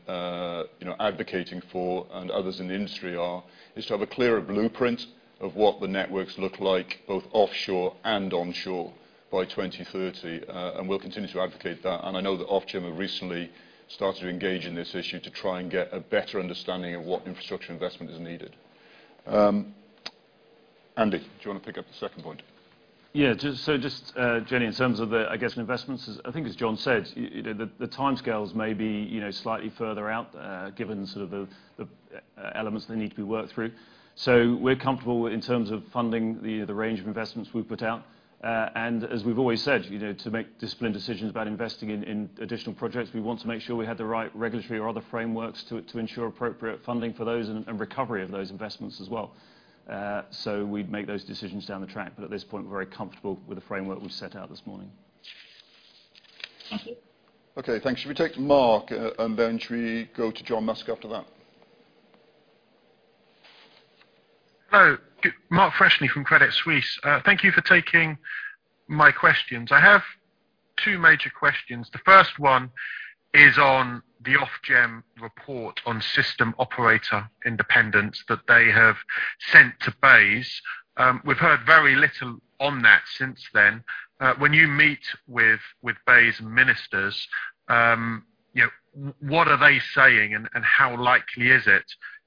S2: advocating for and others in the industry are is to have a clearer blueprint of what the networks look like, both offshore and onshore, by 2030. We'll continue to advocate that. I know that Ofgem has recently started to engage in this issue to try and get a better understanding of what infrastructure investment is needed. Andy, do you want to pick up the second point?
S3: Yeah. just, Jenny, in terms of the, I guess, investments, I think as John said, the timescales may be slightly further out, given the elements that need to be worked through. we're comfortable in terms of funding the range of investments we've put out. as we've always said, to make disciplined decisions about investing in additional projects, we want to make sure we have the right regulatory or other frameworks to it to ensure appropriate funding for those and recovery of those investments as well. we'd make those decisions down the track, but at this point, we're very comfortable with the framework we've set out this morning.
S6: Thank you.
S2: Okay, thanks. Should we take to Mark, and then should we go to John Musk after that?
S7: Hello. Mark Freshney from Credit Suisse. Thank you for taking my questions. I have two major questions. The first one is on the Ofgem report on system operator independence that they have sent to BEIS. We've heard very little on that since then. When you meet with BEIS ministers, what are they saying and how likely is it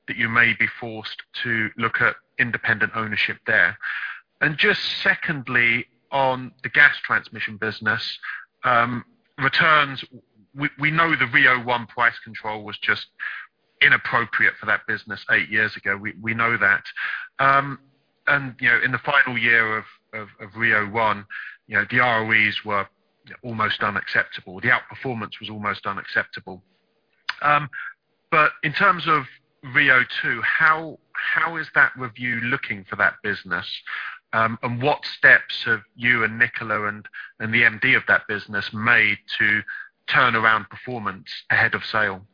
S7: that you may be forced to look at independent ownership there? just secondly, on the gas transmission business returns, we know the RIIO-T1 price control was just inappropriate for that business eight years ago. We know that. in the final year of RIIO-T1, the ROEs were almost unacceptable. The outperformance was almost unacceptable. in terms of RIIO-T2, how is that review looking for that business? what steps have you and Nicola and the MD of that business made to turn around performance ahead of sale?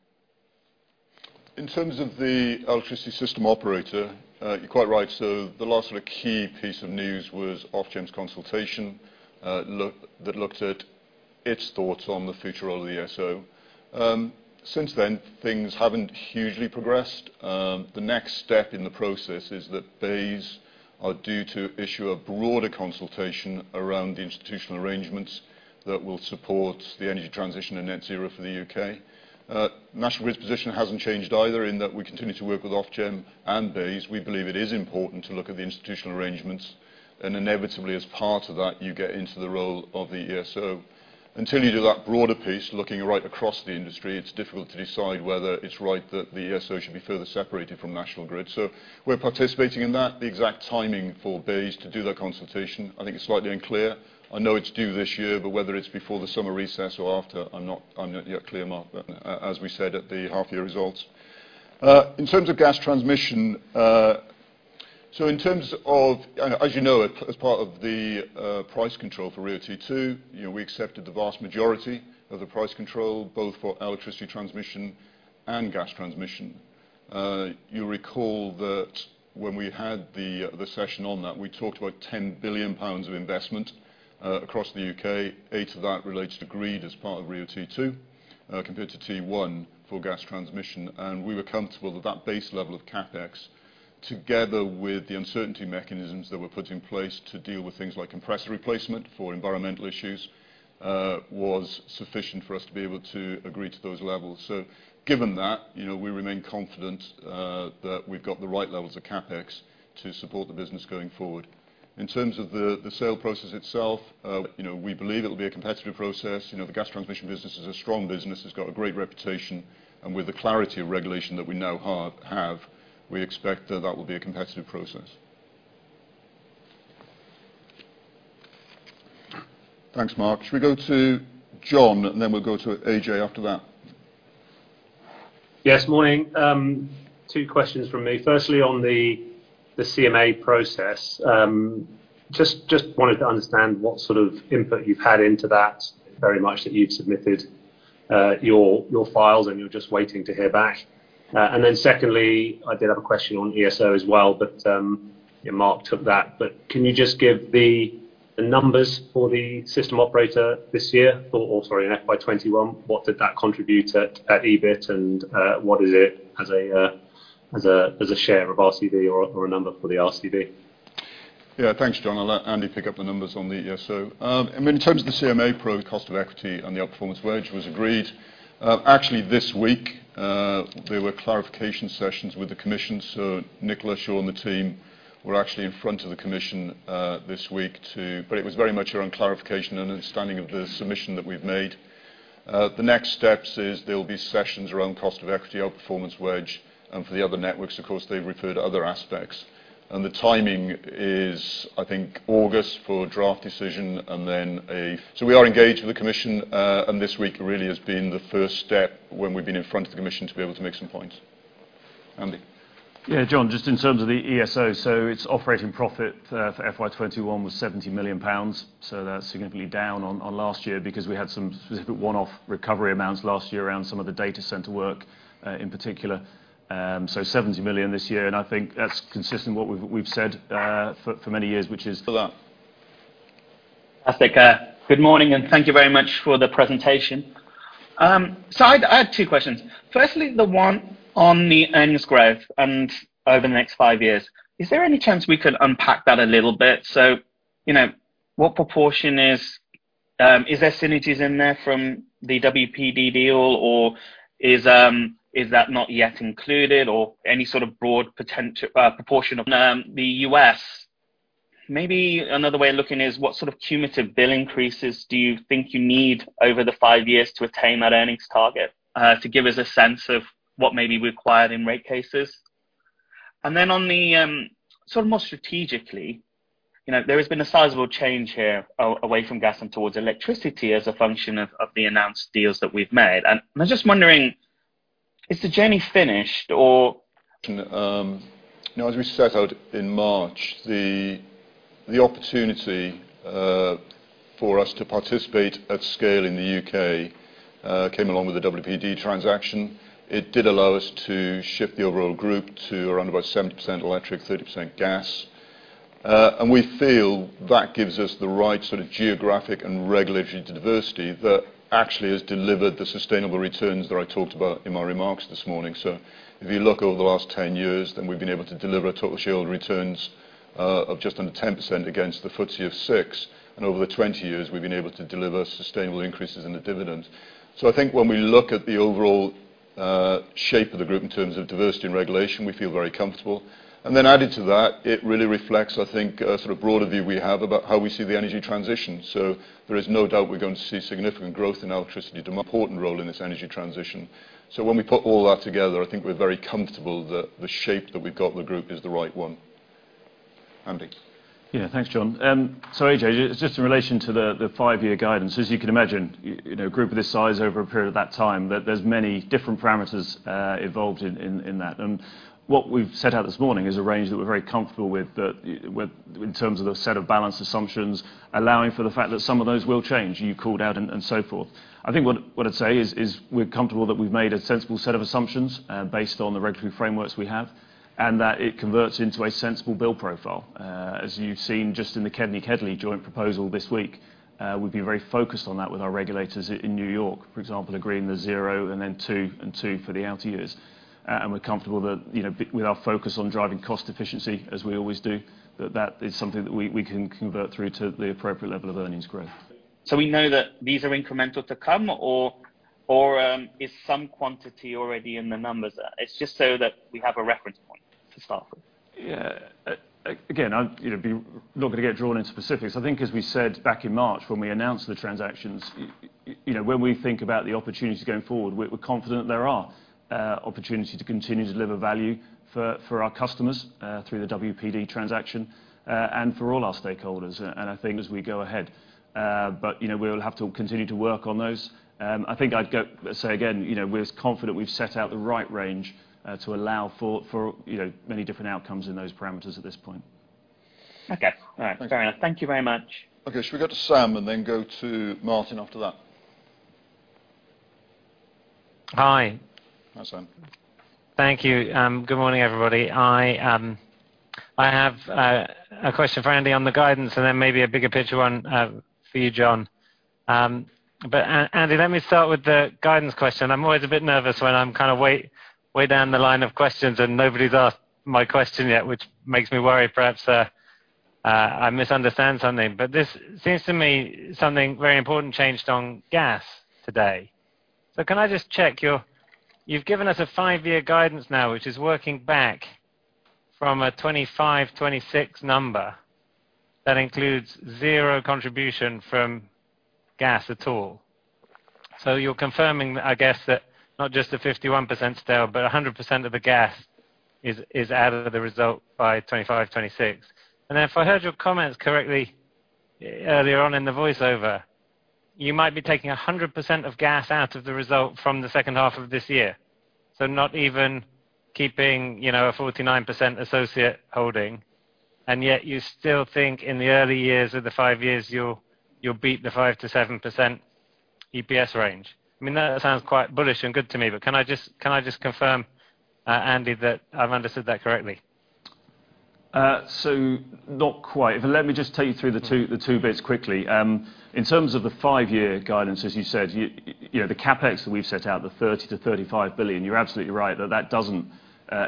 S2: In terms of the electricity system operator, you're quite right. The last key piece of news was Ofgem's consultation that looked at its thoughts on the future role of the ESO. Since then, things haven't hugely progressed. The next step in the process is that BEIS is due to issue a broader consultation around the institutional arrangements that will support the energy transition to net zero for the UK. National Grid's position hasn't changed either, in that we continue to work with Ofgem and BEIS. We believe it is important to look at the institutional arrangements, and inevitably, as part of that, you get into the role of the ESO. Until you do that broader piece, looking right across the industry, it's difficult to decide whether it's right that the ESO should be further separated from National Grid. We're participating in that. The exact timing for BEIS to do their consultation, I think, is slightly unclear. I know it's due this year, but whether it's before the summer recess or after, I'm not yet clear, Mark, as we said at the half-year results. In terms of gas transmission, as you know, as part of the price control for RIIO-T2, we accepted the vast majority of the price control, both for electricity transmission and gas transmission. You'll recall that when we had the session on that, we talked about 10 billion pounds of investment across the UK. Eight of that relates to grid as part of RIIO-T2, compared to T1 for gas transmission. We were comfortable that that base level of CapEx, together with the uncertainty mechanisms that were put in place to deal with things like compressor replacement for environmental issues, was sufficient for us to be able to agree to those levels. Given that, we remain confident that we've got the right levels of CapEx to support the business going forward. In terms of the sale process itself, we believe it will be a competitive process. The gas transmission business is a strong business. It's got a great reputation, and with the clarity of regulation that we now have, we expect that that will be a competitive process. Thanks, Mark. Should we go to John, and then we'll go to Ajay after that?
S8: Yes, morning. Two questions from me. Firstly, on the CMA process. Just wanted to understand what sort of input you've had into that. Very much so that you've submitted your files and you're just waiting to hear back? secondly, I did have a question on ESO as well, but Mark took that. can you just give the numbers for the system operator this year? sorry, in FY 2021, what did that contribute at EBIT and what is it as a share of RCV or a number for the RCV?
S2: Yeah. Thanks, John. I'll let Andy pick up the numbers on the ESO. In terms of the CMA pro, the cost of equity and the outperformance wedge was agreed. Actually, this week, there were clarification sessions with the commission, so Nicola Shaw and the team were actually in front of the commission this week. it was very much around clarification and understanding of the submission that we've made. The next steps is there will be sessions around cost of equity, outperformance wedge, and for the other networks, of course, they refer to other aspects. the timing is, I think, August for draft decision, and then we are engaged with the commission, and this week really has been the first step when we've been in front of the commission to be able to make some points. Andy.
S3: Yeah, John, just in terms of the ESO, its operating profit for FY 2021 was 70 million pounds. That's significantly down on last year because we had some specific one-off recovery amounts last year around some of the data center work, in particular. 70 million this year, and I think that's consistent with what we've said for many years, which is
S8: Thanks For that.
S9: Good morning, and thank you very much for the presentation. I had two questions. Firstly, the one on earnings growth and over the next five years. Is there any chance we could unpack that a little bit? What proportion of synergies is there from the WPD deal, or is that not yet included in any sort of broad proportion of the U.S.? Maybe another way of looking is what sort of cumulative bill increases do you think you need over the five years to attain that earnings target to give us a sense of what may be required in rate cases? On the, sort of more strategically, there has been a sizable change here away from gas and towards electricity as a function of the announced deals that we've made. I'm just wondering, is the journey finished?
S2: As we set out in March, the opportunity for us to participate at scale in the U.K. came along with the WPD transaction. It did allow us to shift the overall group to around 70% electric and 30% gas. We feel that gives us the right sort of geographic and regulatory diversity that actually has delivered the sustainable returns that I talked about in my remarks this morning. If you look over the last 10 years, we've been able to deliver total shareholder returns of just under 10% against the FTSE of 6%. Over the 20 years, we've been able to deliver sustainable increases in the dividend. I think when we look at the overall shape of the group in terms of diversity and regulation, we feel very comfortable. Added to that, it really reflects, I think, a sort of broader view we have about how we see the energy transition. There is no doubt we're going to see significant growth in electricity, important role in this energy transition. When we put all that together, I think we're very comfortable that the shape that we've got in the group is the right one. Andy?
S3: Yeah. Thanks, John. Ajay, just in relation to the five-year guidance. As you can imagine, a group of this size over a period of that time, that there's many different parameters evolved in that. What we've set out this morning is a range that we're very comfortable with, in terms of the set of balance assumptions, allowing for the fact that some of those will change. You called out and so forth. I think what I'd say is we're comfortable that we've made a sensible set of assumptions, based on the regulatory frameworks we have, and that it converts into a sensible bill profile. As you've seen just in the KEDNY-KEDLI joint proposal this week, we'd be very focused on that with our regulators in New York. For example, agreeing on zero and then two and two for the outer years. We're comfortable that with our focus on driving cost efficiency, as we always do, that is something that we can convert through to the appropriate level of earnings growth.
S9: We know that these are incremental to come, or is some quantity already in the numbers? It is just so that we have a reference point to start from.
S3: Yeah. Again, I'm not going to get drawn into specifics. I think as we said back in March when we announced the transactions, when we think about the opportunities going forward, we're confident there are opportunities to continue to deliver value for our customers through the WPD transaction and for all our stakeholders, and I think as we go ahead. We'll have to continue to work on those. I think I'd say again, we're confident we've set out the right range to allow for many different outcomes in those parameters at this point.
S9: Okay. Fair enough. Thank you very much.
S2: Okay. Shall we go to Sam and then go to Martin after that?
S10: Hi.
S2: Hi, Sam.
S10: Thank you. Good morning, everybody. I have a question for Andy on the guidance and then maybe a bigger-picture one for you, John. Andy, let me start with the guidance question. I am always a bit nervous when I am way down the line of questions and nobody has asked my question yet, which makes me worry perhaps I misunderstand something. This seems to me something very important changed on gas today. Can I just check, you have given us a five-year guidance now, which is working back from a 2025, 2026 number that includes zero contribution from gas at all. You are confirming, I guess, that not just the 51% sale, but 100% of the gas is out of the result by 2025, 2026. If I heard your comments correctly earlier on in the voiceover, you might be taking 100% of gas out of the result from the second half of this year. Not even keeping a 49% associate holding, and yet you still think in the early years of the five years you'll beat the 5%-7% EPS range. That sounds quite bullish and good to me. Can I just confirm, Andy, that I've understood that correctly?
S3: Not quite. Let me just take you through the two bits quickly. In terms of the five-year guidance, as you said, the CapEx that we've set out, the 30 billion-35 billion, you're absolutely right that that doesn't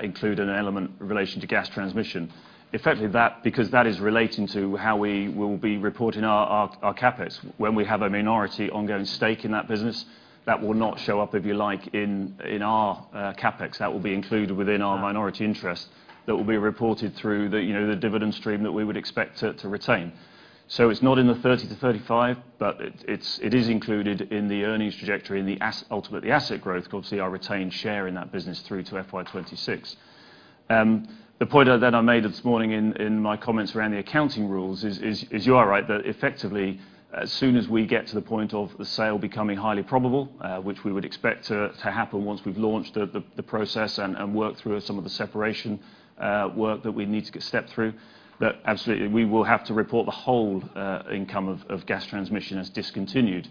S3: include an element in relation to Gas Transmission. Effectively, because that is relating to how we will be reporting our CapEx. When we have a minority ongoing stake in that business, that will not show up, if you like, in our CapEx. That will be included within our minority interest that will be reported through the dividend stream that we would expect to retain. It's not in the 30 billion-35 billion, but it is included in the earnings trajectory and ultimately asset growth, obviously our retained share in that business through to FY 2026. The point that I made this morning in my comments around the accounting rules is you are right that effectively, as soon as we get to the point of the sale becoming highly probable, which we would expect to happen once we've launched the process and worked through some of the separation work that we need to get stepped through. That absolutely we will have to report the whole income of Gas Transmission as discontinued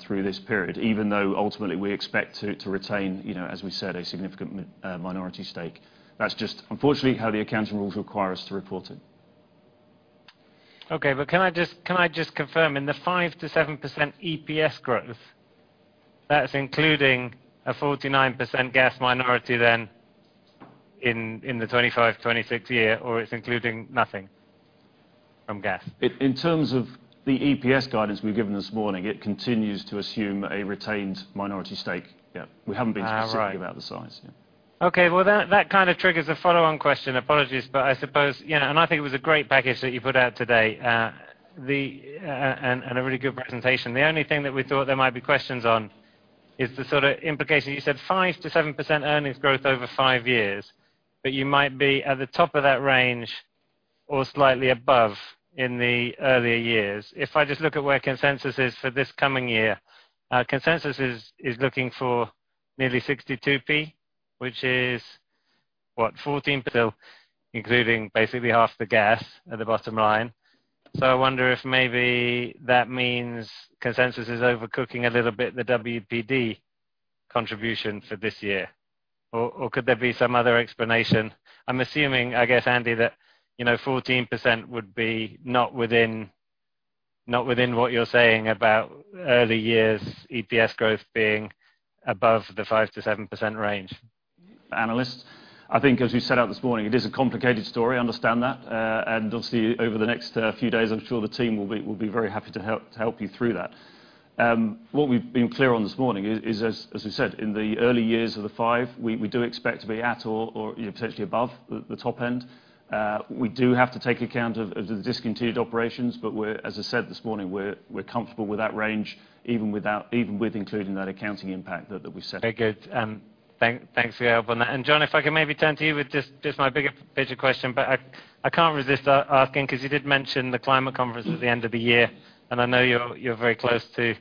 S3: through this period, even though ultimately we expect to retain, as we said, a significant minority stake. That's just unfortunately how the accounting rules require us to report it.
S10: Okay. Can I just confirm, in the 5%-7% EPS growth, that's including a 49% gas minority in the 2025-2026 year, or is it including nothing from gas?
S3: In terms of the EPS guidance we've given this morning, it continues to assume a retained minority stake. Yeah.
S10: Right.
S3: about the size. Yeah.
S10: Okay. Well, that kind of triggers a follow-on question. Apologies, but I suppose, and I think it was a great package that you put out today and a really good presentation. The only thing that we thought there might be questions on is the sort of implication, you said 5%-7% earnings growth over five years, but you might be at the top of that range or slightly above in the earlier years. If I just look at where consensus is for this coming year, consensus is looking for nearly 0.62, which is what? 14% including basically half the gas at the bottom line. I wonder if maybe that means consensus is overcooking the WPD contribution for this year. Could there be some other explanation? I'm assuming, I guess, Andy, that 14% would not be within what you're saying about early years' EPS growth being above the 5%-7% range?
S3: Analysts. I think as we set out this morning, it is a complicated story. I understand that. Obviously, over the next few days, I'm sure the team will be very happy to help you through that. What we've been clear on this morning is, as we said, in the early years of the five, we do expect to be at or potentially above the top end. We do have to take account of the discontinued operations. As I said this morning, we're comfortable with that range, even with including that accounting impact that we've set.
S10: Very good. Thanks for your help on that. John, if I can maybe turn to you with just my bigger-picture question. I can't resist asking because you did mention the climate conference at the end of the year, and I know you're very close to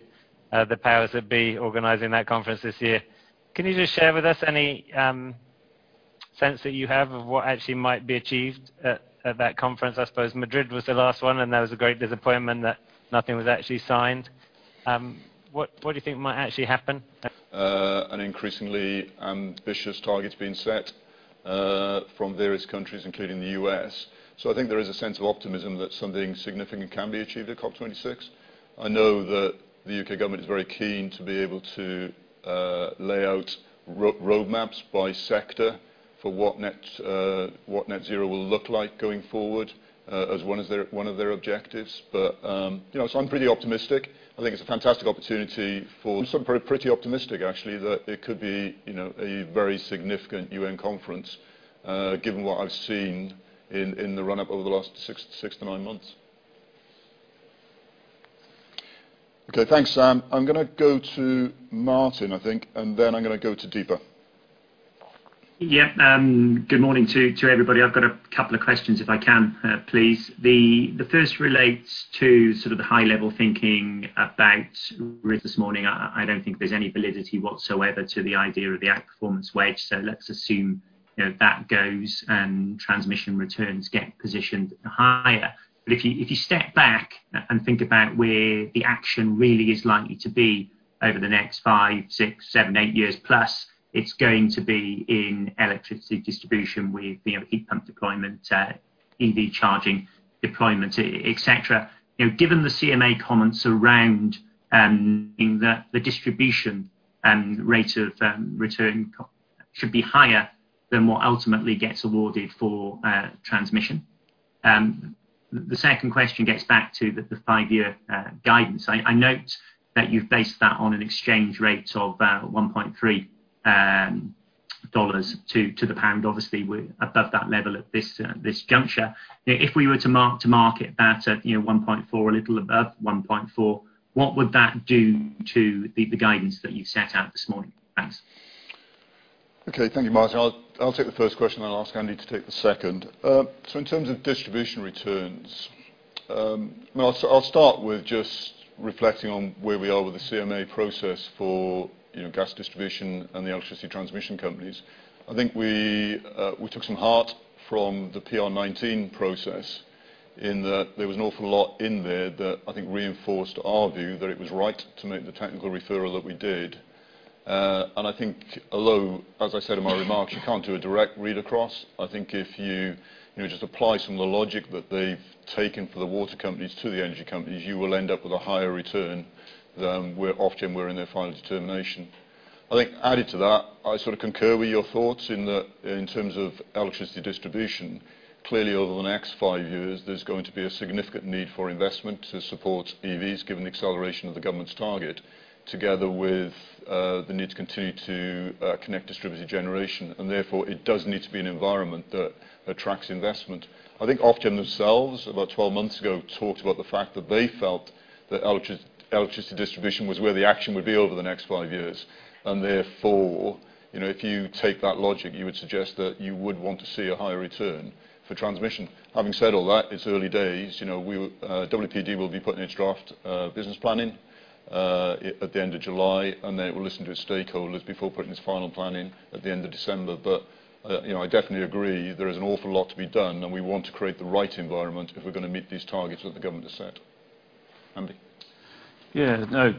S10: the powers that be organizing that conference this year. Can you just share with us any sense that you have of what actually might be achieved at that conference? I suppose Madrid was the last one, and there was a great disappointment that nothing was actually signed. What do you think might actually happen?
S2: An increasingly ambitious target has been set from various countries, including the U.S. I think there is a sense of optimism that something significant can be achieved at COP26. I know that the U.K. government is very keen to be able to lay out roadmaps by sector for what net zero will look like going forward as one of their objectives. I'm pretty optimistic. I'm pretty optimistic, actually, that it could be a very significant UN conference, given what I've seen in the run-up over the last six to nine months. Okay, thanks, Sam. I'm going to go to Martin, I think, and then I'm going to go to Deepa.
S11: Good morning to everybody. I've got a couple of questions, if I may, please. The first relates to the high-level thinking about risk this morning. I don't think there's any validity whatsoever to the idea of the outperformance wedge. Let's assume that goes and transmission returns get positioned higher. If you step back and think about where the action really is likely to be over the next five, six, seven, eight years plus, it's going to be in electricity distribution with heat pump deployment, EV charging deployment, et cetera. Given the CMA comments around knowing that the distribution rate of return should be higher than what ultimately gets awarded for transmission. The second question gets back to the five-year guidance. I note that you've based that on an exchange rate of $1.3 to the pound. Obviously, we're above that level at this juncture. If we were to market that at $1.4 or a little above $1.4, what would that do to the guidance that you set out this morning? Thanks.
S2: Okay. Thank you, Martin. I'll take the first question. I'll ask Andy to take the second. In terms of distribution returns, I'll start with just reflecting on where we are with the CMA process for gas distribution and the electricity transmission companies. I think we took some heart from the PR19 process in that there was an awful lot in there that I think reinforced our view that it was right to make the technical referral that we did. I think, although, as I said in my remarks, you can't do a direct read across. I think if you just apply some of the logic that they've taken for the water companies to the energy companies, you will end up with a higher return than where Ofgem was in their final determination. I think added to that, I sort of concur with your thoughts in terms of electricity distribution. Clearly, over the next five years, there's going to be a significant need for investment to support EVs, given the acceleration of the government's target, together with the need to continue to connect distributed generation. Therefore, it does need to be an environment that attracts investment. I think Ofgem themselves, about 12 months ago, talked about the fact that they felt that electricity distribution was where the action would be over the next five years. Therefore, if you take that logic, you would suggest that you would want to see a higher return for transmission. Having said all that, it's early days. WPD will be putting its draft business plan in at the end of July, and then it will listen to its stakeholders before putting its final plan in at the end of December. I definitely agree there is an awful lot to be done, and we want to create the right environment if we're going to meet these targets that the government has set. Andy?
S3: Yeah. No.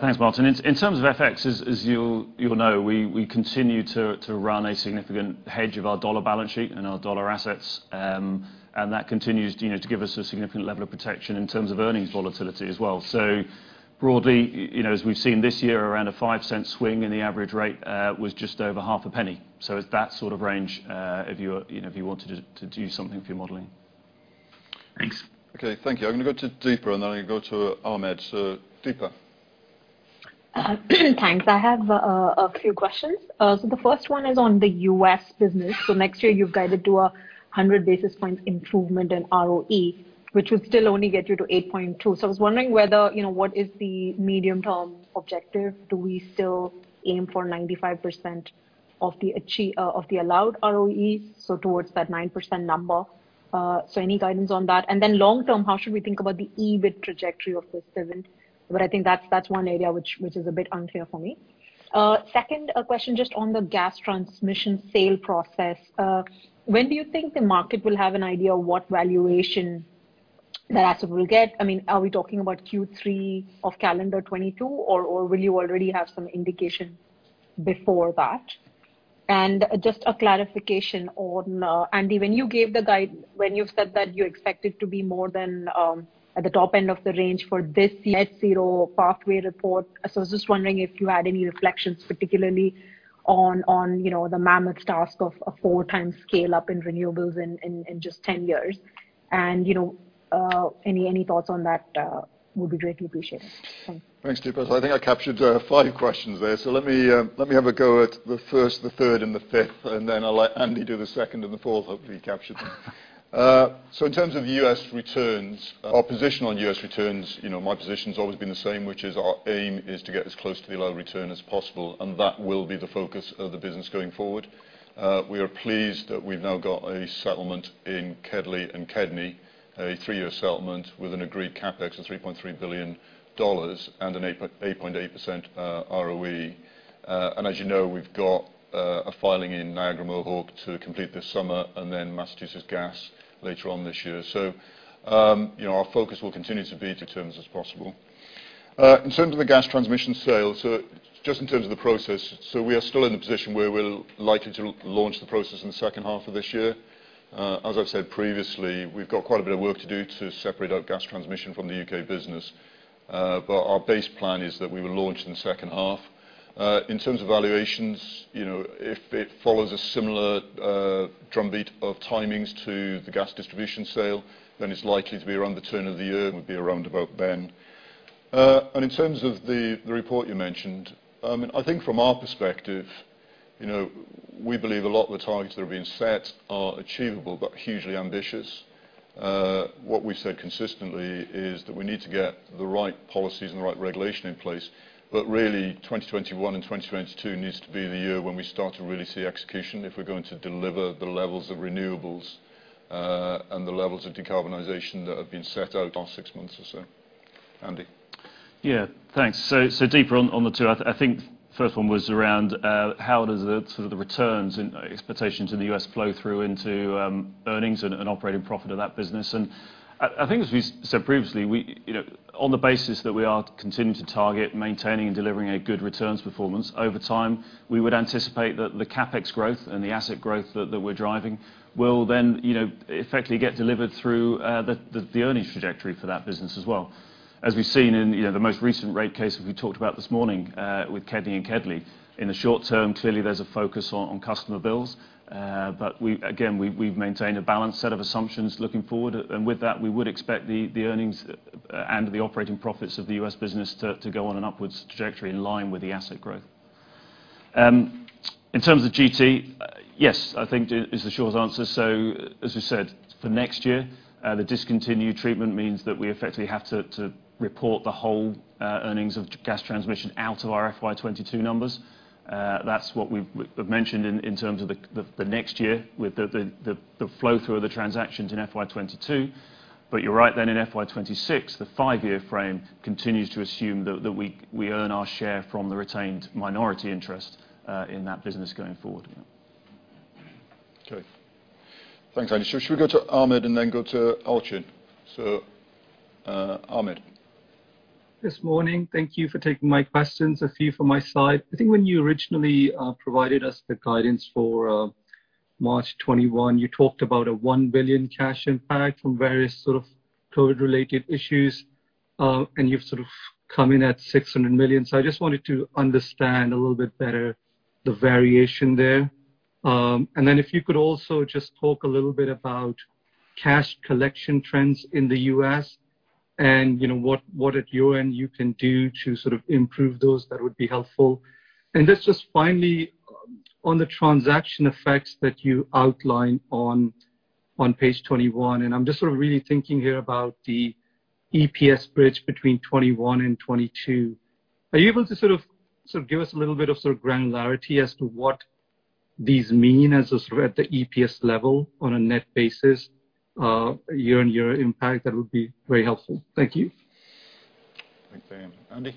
S3: Thanks, Martin. In terms of FX, as you'll know, we continue to run a significant hedge of our dollar balance sheet and our dollar assets. That continues to give us a significant level of protection in terms of earnings volatility as well. Broadly, as we've seen this year, around a 0.05 swing in the average rate was just over half a penny. It's that sort of range if you wanted to do something for your modeling.
S11: Thanks.
S2: Okay, thank you. I'm going to go to Deepa, and then I'm going to go to Ahmed. Deepa.
S12: Thanks. I have a few questions. The first one is on U.S. business. Next year, you've guided to 100 basis points improvement in ROE, which would still only get you to 8.2%. I was wondering, what is the medium-term objective? Do we still aim for 95% of the allowed ROE, so towards that 9% number? Any guidance on that? Long term, how should we think about the EBIT trajectory of this business? I think that's one area which is a bit unclear for me. Second question, just on the gas transmission sale process. When do you think the market will have an idea of what valuation the asset will get? Are we talking about Q3 of calendar 2022, or will you already have some indication before that? Just a clarification on Andy, when you said that you expect it to be more than at the top end of the range for this net zero pathway report. I was just wondering if you had any reflections, particularly on the mammoth task of a four times scale-up in renewables in just 10 years. Any thoughts on that would be greatly appreciated. Thanks.
S2: Thanks, Deepa. I think I captured five questions there. Let me have a go at the first, the third, and the fifth, and then I'll let Andy do the second and the fourth. Hopefully, he captured them. In terms of U.S. returns, our position on U.S. returns, my position, has always been the same, which is our aim is to get as close to the allowed return as possible, and that will be the focus of the business going forward. We are pleased that we've now got a settlement in KEDLI and KEDNY, a three-year settlement with an agreed CapEx of $3.3 billion and an 8.8% ROE. And as you know, we've got a filing in Niagara Mohawk to complete this summer and then Massachusetts Gas later on this year. Our focus will continue to be to return as possible. In terms of the gas transmission sale, just in terms of the process, we are still in the position where we're likely to launch the process in the second half of this year. As I've said previously, we've got quite a bit of work to do to separate our gas transmission from the U.K. business. Our base plan is that we will launch in the second half. In terms of valuations, if it follows a similar drumbeat of timings to the gas distribution sale, then it's likely to be around the turn of the year and would be around about then. In terms of the report you mentioned, I think from our perspective, we believe a lot of the targets that are being set are achievable but hugely ambitious. What we've said consistently is that we need to get the right policies and the right regulations in place. Really, 2021 and 2022 need to be the years when we start to really see execution if we're going to deliver the levels of renewables and the levels of decarbonization that have been set out the last six months or so. Andy?
S3: Yeah, thanks. Deepa on the two, I think first one was around how does the returns and expectations in the US flow through into earnings and operating profit of that business? I think, as we said previously, on the basis that we are continuing to target maintaining and delivering a good returns performance over time, we would anticipate that the CapEx growth and the asset growth that we're driving will then effectively get delivered through the earnings trajectory for that business as well. As we've seen in the most recent rate cases we talked about this morning, KEDNY and KEDLI. In the short term, clearly there's a focus on customer bills. Again, we've maintained a balanced set of assumptions looking forward. With that, we would expect the earnings and the operating profits of the U.S. business to go on an upwards trajectory in line with the asset growth. In terms of GT, yes, I think is the short answer. As we said, for next year, the discontinued treatment means that we effectively have to report the whole earnings of gas transmission out of our FY 2022 numbers. That's what we've mentioned in terms of the next year with the flow through of the transactions in FY 2022. You're right; then in FY 2026, the five-year frame continues to assume that we earn our share from the retained minority interest in that business going forward.
S2: Okay. Thanks, Andy. Should we go to Ahmed and then go to Elchin? Ahmed.
S13: This morning, thank you for taking my questions, a few from my side. I think when you originally provided us the guidance for March 2021, you talked about a 1 billion cash impact from various sort of COVID-related issues, and you've sort of come in at 600 million. I just wanted to understand a little bit better the variation there. Then if you could also just talk a little bit about cash collection trends in the U.S. and what at your end you can do to sort of improve those, that would be helpful. Just finally, on the transaction effects that you outlined on page 21, and I'm just really thinking here about the EPS bridge between 2021 and 2022. Are you able to give us a little bit of granularity as to what these mean as the EPS level on a net basis, year-on-year impact? That would be very helpful. Thank you.
S2: Okay. Andy?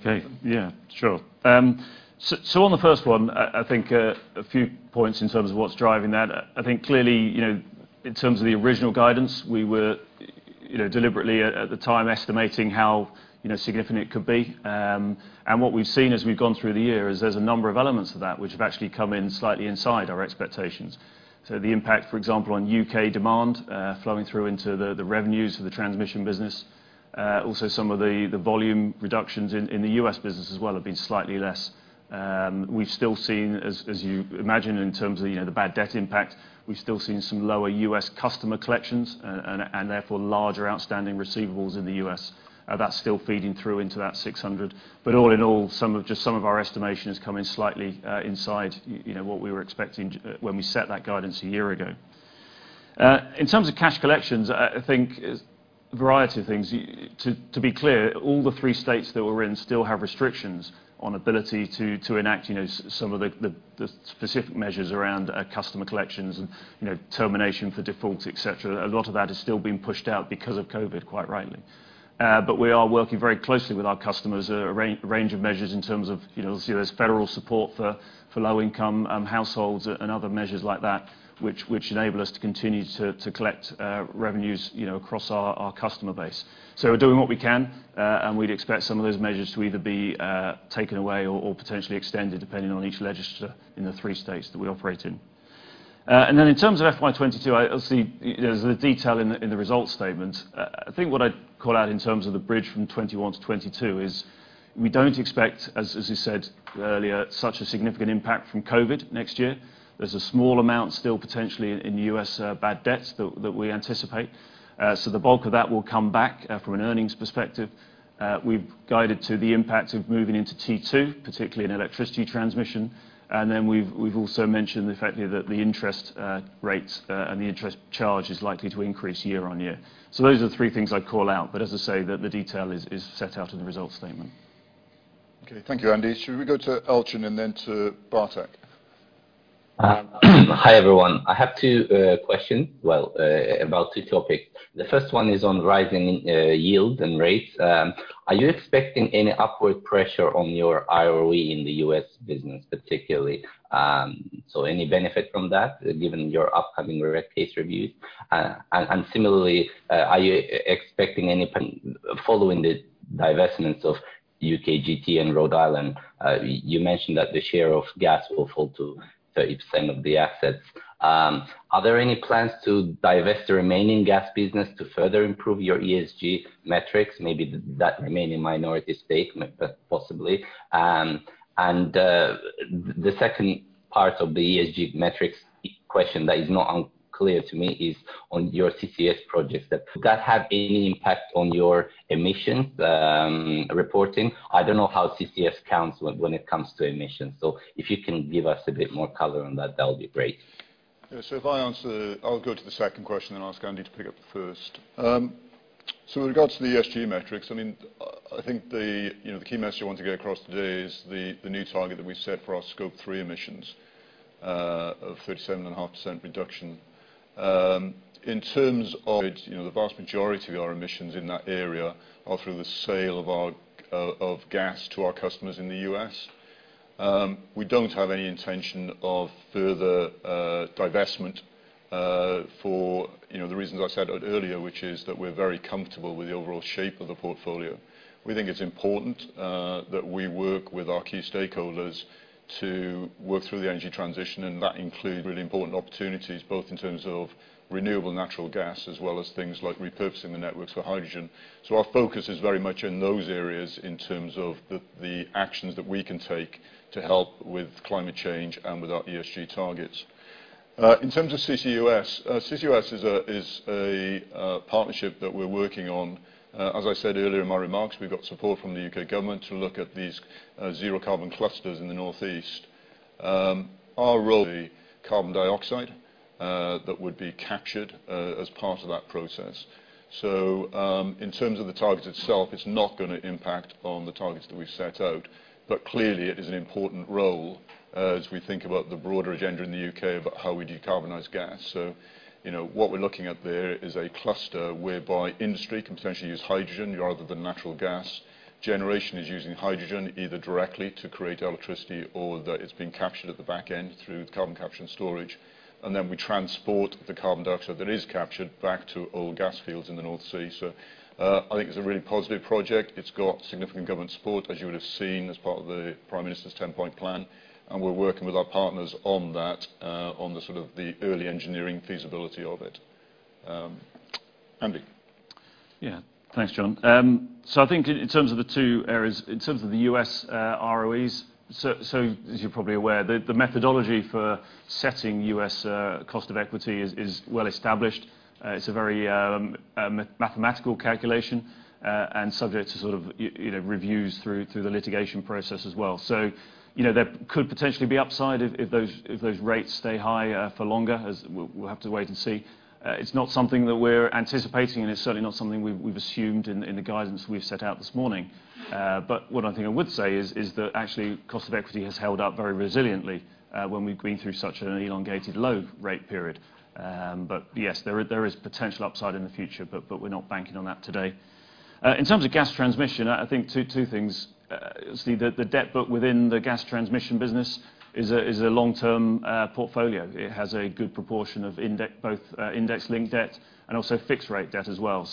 S3: Okay. Yeah, sure. On the first one, I think a few points in terms of what's driving that. I think clearly, in terms of the original guidance, we were deliberately at the time estimating how significant it could be. What we've seen as we've gone through the year is there's a number of elements of that which have actually come in slightly inside our expectations. The impact, for example, on U.K. demand flowing through into the revenues of the transmission business. Also, some of the volume reductions in the U.S. business as well have been slightly less. We've still seen, as you imagine, in terms of the bad debt impact, some lower U.S. customer collections and, therefore, larger outstanding receivables in the U.S. That's still feeding through into that 600. All in all, just some of our estimations come in slightly inside what we were expecting when we set that guidance a year ago. In terms of cash collections, I think a variety of things. To be clear, all three states that we're in still have restrictions on ability to enact some of the specific measures around customer collections and termination for defaults, et cetera. A lot of that is still being pushed out because of COVID, quite rightly. We are working very closely with our customers, a range of measures in terms of, obviously, there's federal support for low-income households and other measures like that, which enable us to continue to collect revenues across our customer base. We're doing what we can, and we'd expect some of those measures to either be taken away or potentially extended, depending on each regulator in the three states that we operate in. In terms of FY 2022, obviously, there's the detail in the results statement. I think what I'd call out in terms of the bridge from 2021 to 2022 is we don't expect, as you said earlier, such a significant impact from COVID next year. There's a small amount still potentially in U.S. bad debts that we anticipate. The bulk of that will come back from an earnings perspective. We've guided to the impact of moving into T2, particularly in electricity transmission. We've also mentioned the fact that the interest rates and the interest charge is likely to increase year-on-year. Those are the three things I'd call out. As I say, the detail is set out in the results statement.
S2: Okay. Thank you, Andy. Should we go to Elchin and then to Bartek?
S14: Hi, everyone. I have two questions, well, about two topics. The first one is on rising yield and rates. Are you expecting any upward pressure on your ROE in the U.S. business, particularly? Any benefit from that, given your upcoming rate case reviews? Similarly, are you expecting, following the divestments of U.K. GT and Rhode Island, you mentioned that the share of gas will fall to 30% of the assets? Are there any plans to divest the remaining gas business to further improve your ESG metrics? Maybe that may be a minority statement, but possibly. The second part of the ESG metrics question that is not unclear to me is on your CCUS projects. Does that have any impact on your emissions reporting? I don't know how CCS counts when it comes to emissions, so if you could give us a bit more color on that would be great.
S2: If I answer, I'll go to the second question, and I'll ask Andy to pick up the first. Regarding the ESG metrics, I think the key message I want to get across today is the new target that we set for our Scope 3 emissions of 37.5% reduction. In terms of it, the vast majority of our emissions in that area are through the sale of gas to our customers in the U.S. We don't have any intention of further divestment for the reasons I said earlier, which is that we're very comfortable with the overall shape of the portfolio. We think it's important that we work with our key stakeholders to work through the energy transition, and that includes really important opportunities, both in terms of renewable natural gas as well as things like repurposing the networks for hydrogen. Our focus is very much in those areas in terms of the actions that we can take to help with climate change and with our ESG targets. In terms of CCUS. CCUS is a partnership that we're working on. As I said earlier in my remarks, we got support from the U.K. government to look at these zero-carbon clusters in the northeast. Our role, the carbon dioxide that would be captured as part of that process. In terms of the targets itself, it's not going to impact the targets that we set out. Clearly it is an important role as we think about the broader agenda in the U.K. about how we decarbonize gas. What we're looking at there is a cluster whereby industry can potentially use hydrogen rather than natural gas. Generation is using hydrogen, either directly to create electricity or that it's being captured at the back end through carbon capture and storage. We transport the carbon dioxide that is captured back to oil and gas fields in the North Sea. I think it's a really positive project. It's got significant government support, as you would've seen as part of the Prime Minister's 10-point plan. We're working with our partners on that, on the sort of early engineering feasibility of it. Andy?
S3: Thanks, John. I think in terms of the two areas, in terms of the U.S. ROEs, as you're probably aware, the methodology for setting U.S. cost of equity is well-established. It's a very mathematical calculation and subject to sort of reviews through the litigation process as well. There could potentially be upside if those rates stay high for longer, as we'll have to wait and see. It's not something that we're anticipating, and it's certainly not something we've assumed in the guidance we set out this morning. What I think I would say is that actually cost of equity has held up very resiliently when we've been through such an elongated low-rate period. Yes, there is potential upside in the future, but we're not banking on that today. In terms of gas transmission, I think two things. The debt book within the gas transmission business is a long-term portfolio. It has a good proportion of both index-linked debt and also fixed-rate debt as well.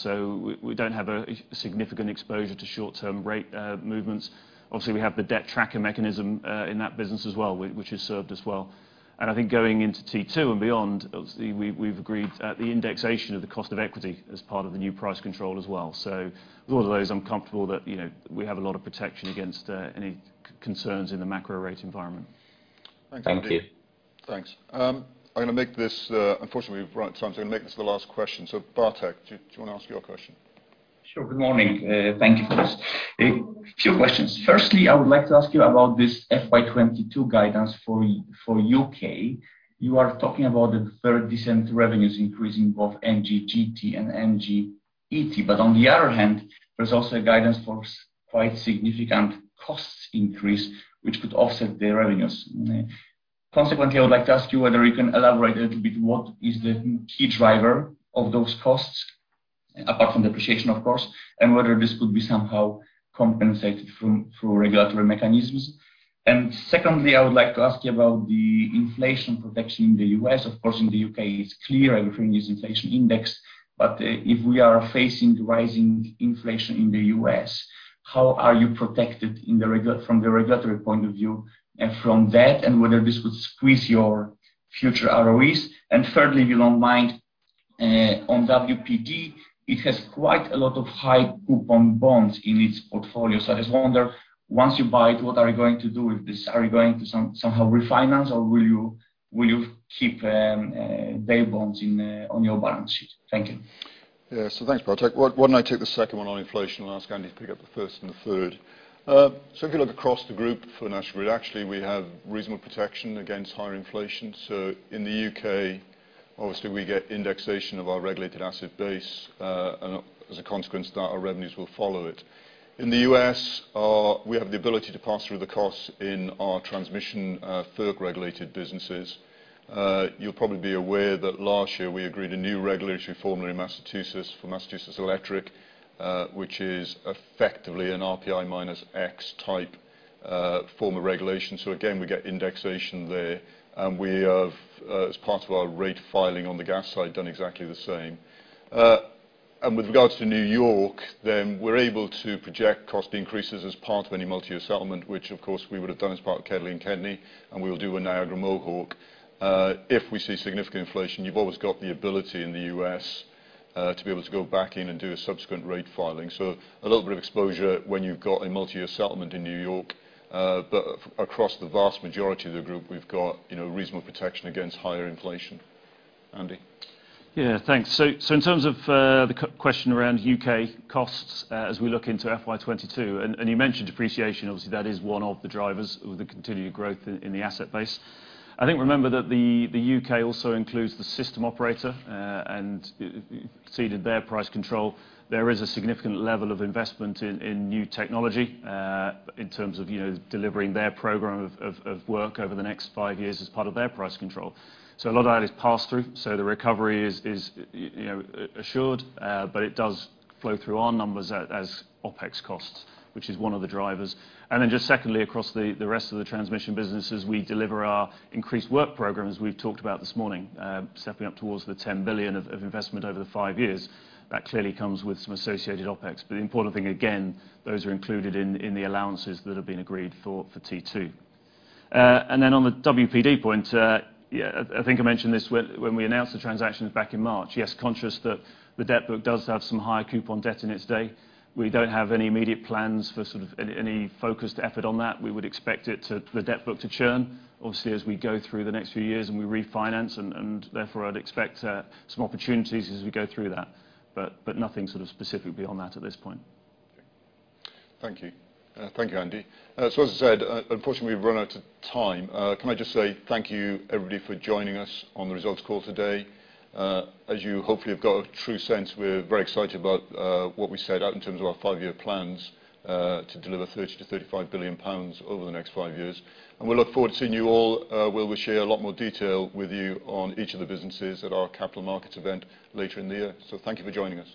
S3: We don't have a significant exposure to short-term rate movements. Obviously, we have the debt tracker mechanism in that business as well, which has served us well. I think going into T2 and beyond, obviously, we've agreed the indexation of the cost of equity as part of the new price control as well. With all those, I'm comfortable that we have a lot of protection against any concerns in the macro rate environment.
S14: Thank you. Thank you.
S2: Thanks. Unfortunately, we've run out of time, I'm going to make this the last question. Bartek, do you want to ask your question?
S15: Sure. Good morning. Thank you, guys. Two questions. I would like to ask you about this FY 2022 guidance for U.K. You are talking about the 30% revenues increase in both NGGT and NGET. On the other hand, there's also guidance for a quite significant cost increase, which could offset the revenues. I would like to ask you whether you can elaborate a little bit what is the key driver of those costs, apart from depreciation, of course, and whether this could be somehow compensated for regulatory mechanisms. Secondly, I would like to ask you about the inflation protection in the U.S. Of course, in the U.K. it's clear everything is inflation indexed. If we are facing rising inflation in the U.S., how are you protected from the regulatory point of view and from that, and whether this would squeeze your future ROEs? Thirdly, if you don't mind, on WPD, it has quite a lot of high coupon bonds in its portfolio. I just wonder, once you buy it, what are you going to do with this? Are you going to somehow refinance, or will you keep their bonds on your balance sheet? Thank you.
S2: Yeah. Thanks, Bartek. Why don't I take the second one on inflation? I'll ask Andy to pick up the first and the third. If you look across the group for National Grid, actually, we have reasonable protection against higher inflation. In the U.K. Obviously, we get indexation of our regulated asset base, and as a consequence of that, our revenues will follow it. In the U.S., we have the ability to pass through the costs in our transmission FERC-regulated businesses. You'll probably be aware that last year we agreed a new regulatory formula in Massachusetts for Massachusetts Electric, which is effectively an RPI-X type of regulation. Again, we get indexation there, and we have, as part of our rate filing on the gas side, done exactly the same. With regard to New York, then we're able to project cost increases as part of any multi-settlement, which, of course, we would have done as part of KEDNY and KEDLI, and we'll do in Niagara Mohawk. If we see significant inflation, you've always got the ability in the U.S. to be able to go back in and do a subsequent rate filing. A little bit of exposure when you've got a multi-settlement in New York. Across the vast majority of the group, we've got reasonable protection against higher inflation. Andy?
S3: Yeah, thanks. In terms of the question around U.K. costs as we look into FY 2022, and you mentioned depreciation. Obviously, that is one of the drivers of the continued growth in the asset base. I think, remember, that the U.K. also includes the System operator and ceded their price control. There is a significant level of investment in new technology in terms of delivering their program of work over the next five years as part of their price control. A lot of that is passed through. The recovery is assured, but it does flow through our numbers as OpEx costs, which is one of the drivers. Just secondly, across the rest of the NGET, we deliver our increased work programs we talked about this morning, stepping up towards the 10 billion of investment over five years. That clearly comes with some associated OpEx. The important thing, again, those are included in the allowances that have been agreed for T2. On the WPD point, I think I mentioned this when we announced the transactions back in March. Yes, conscious that the debt book does have some higher coupon debt in its day. We don't have any immediate plans for any focused effort on that. We would expect the debt book to churn obviously as we go through the next few years and we refinance, and therefore I'd expect some opportunities as we go through that. Nothing specifically on that at this point.
S2: Thank you, Andy. As I said, unfortunately, we've run out of time. Can I just say thank you, everybody, for joining us on the results call today. As you hopefully have got a true sense, we're very excited about what we've set out in terms of our five-year plans to deliver 30 billion-35 billion pounds over the next five years. We look forward to seeing you all where we'll share a lot more detail with you on each of the businesses at our capital markets event later in the year. Thank you for joining us.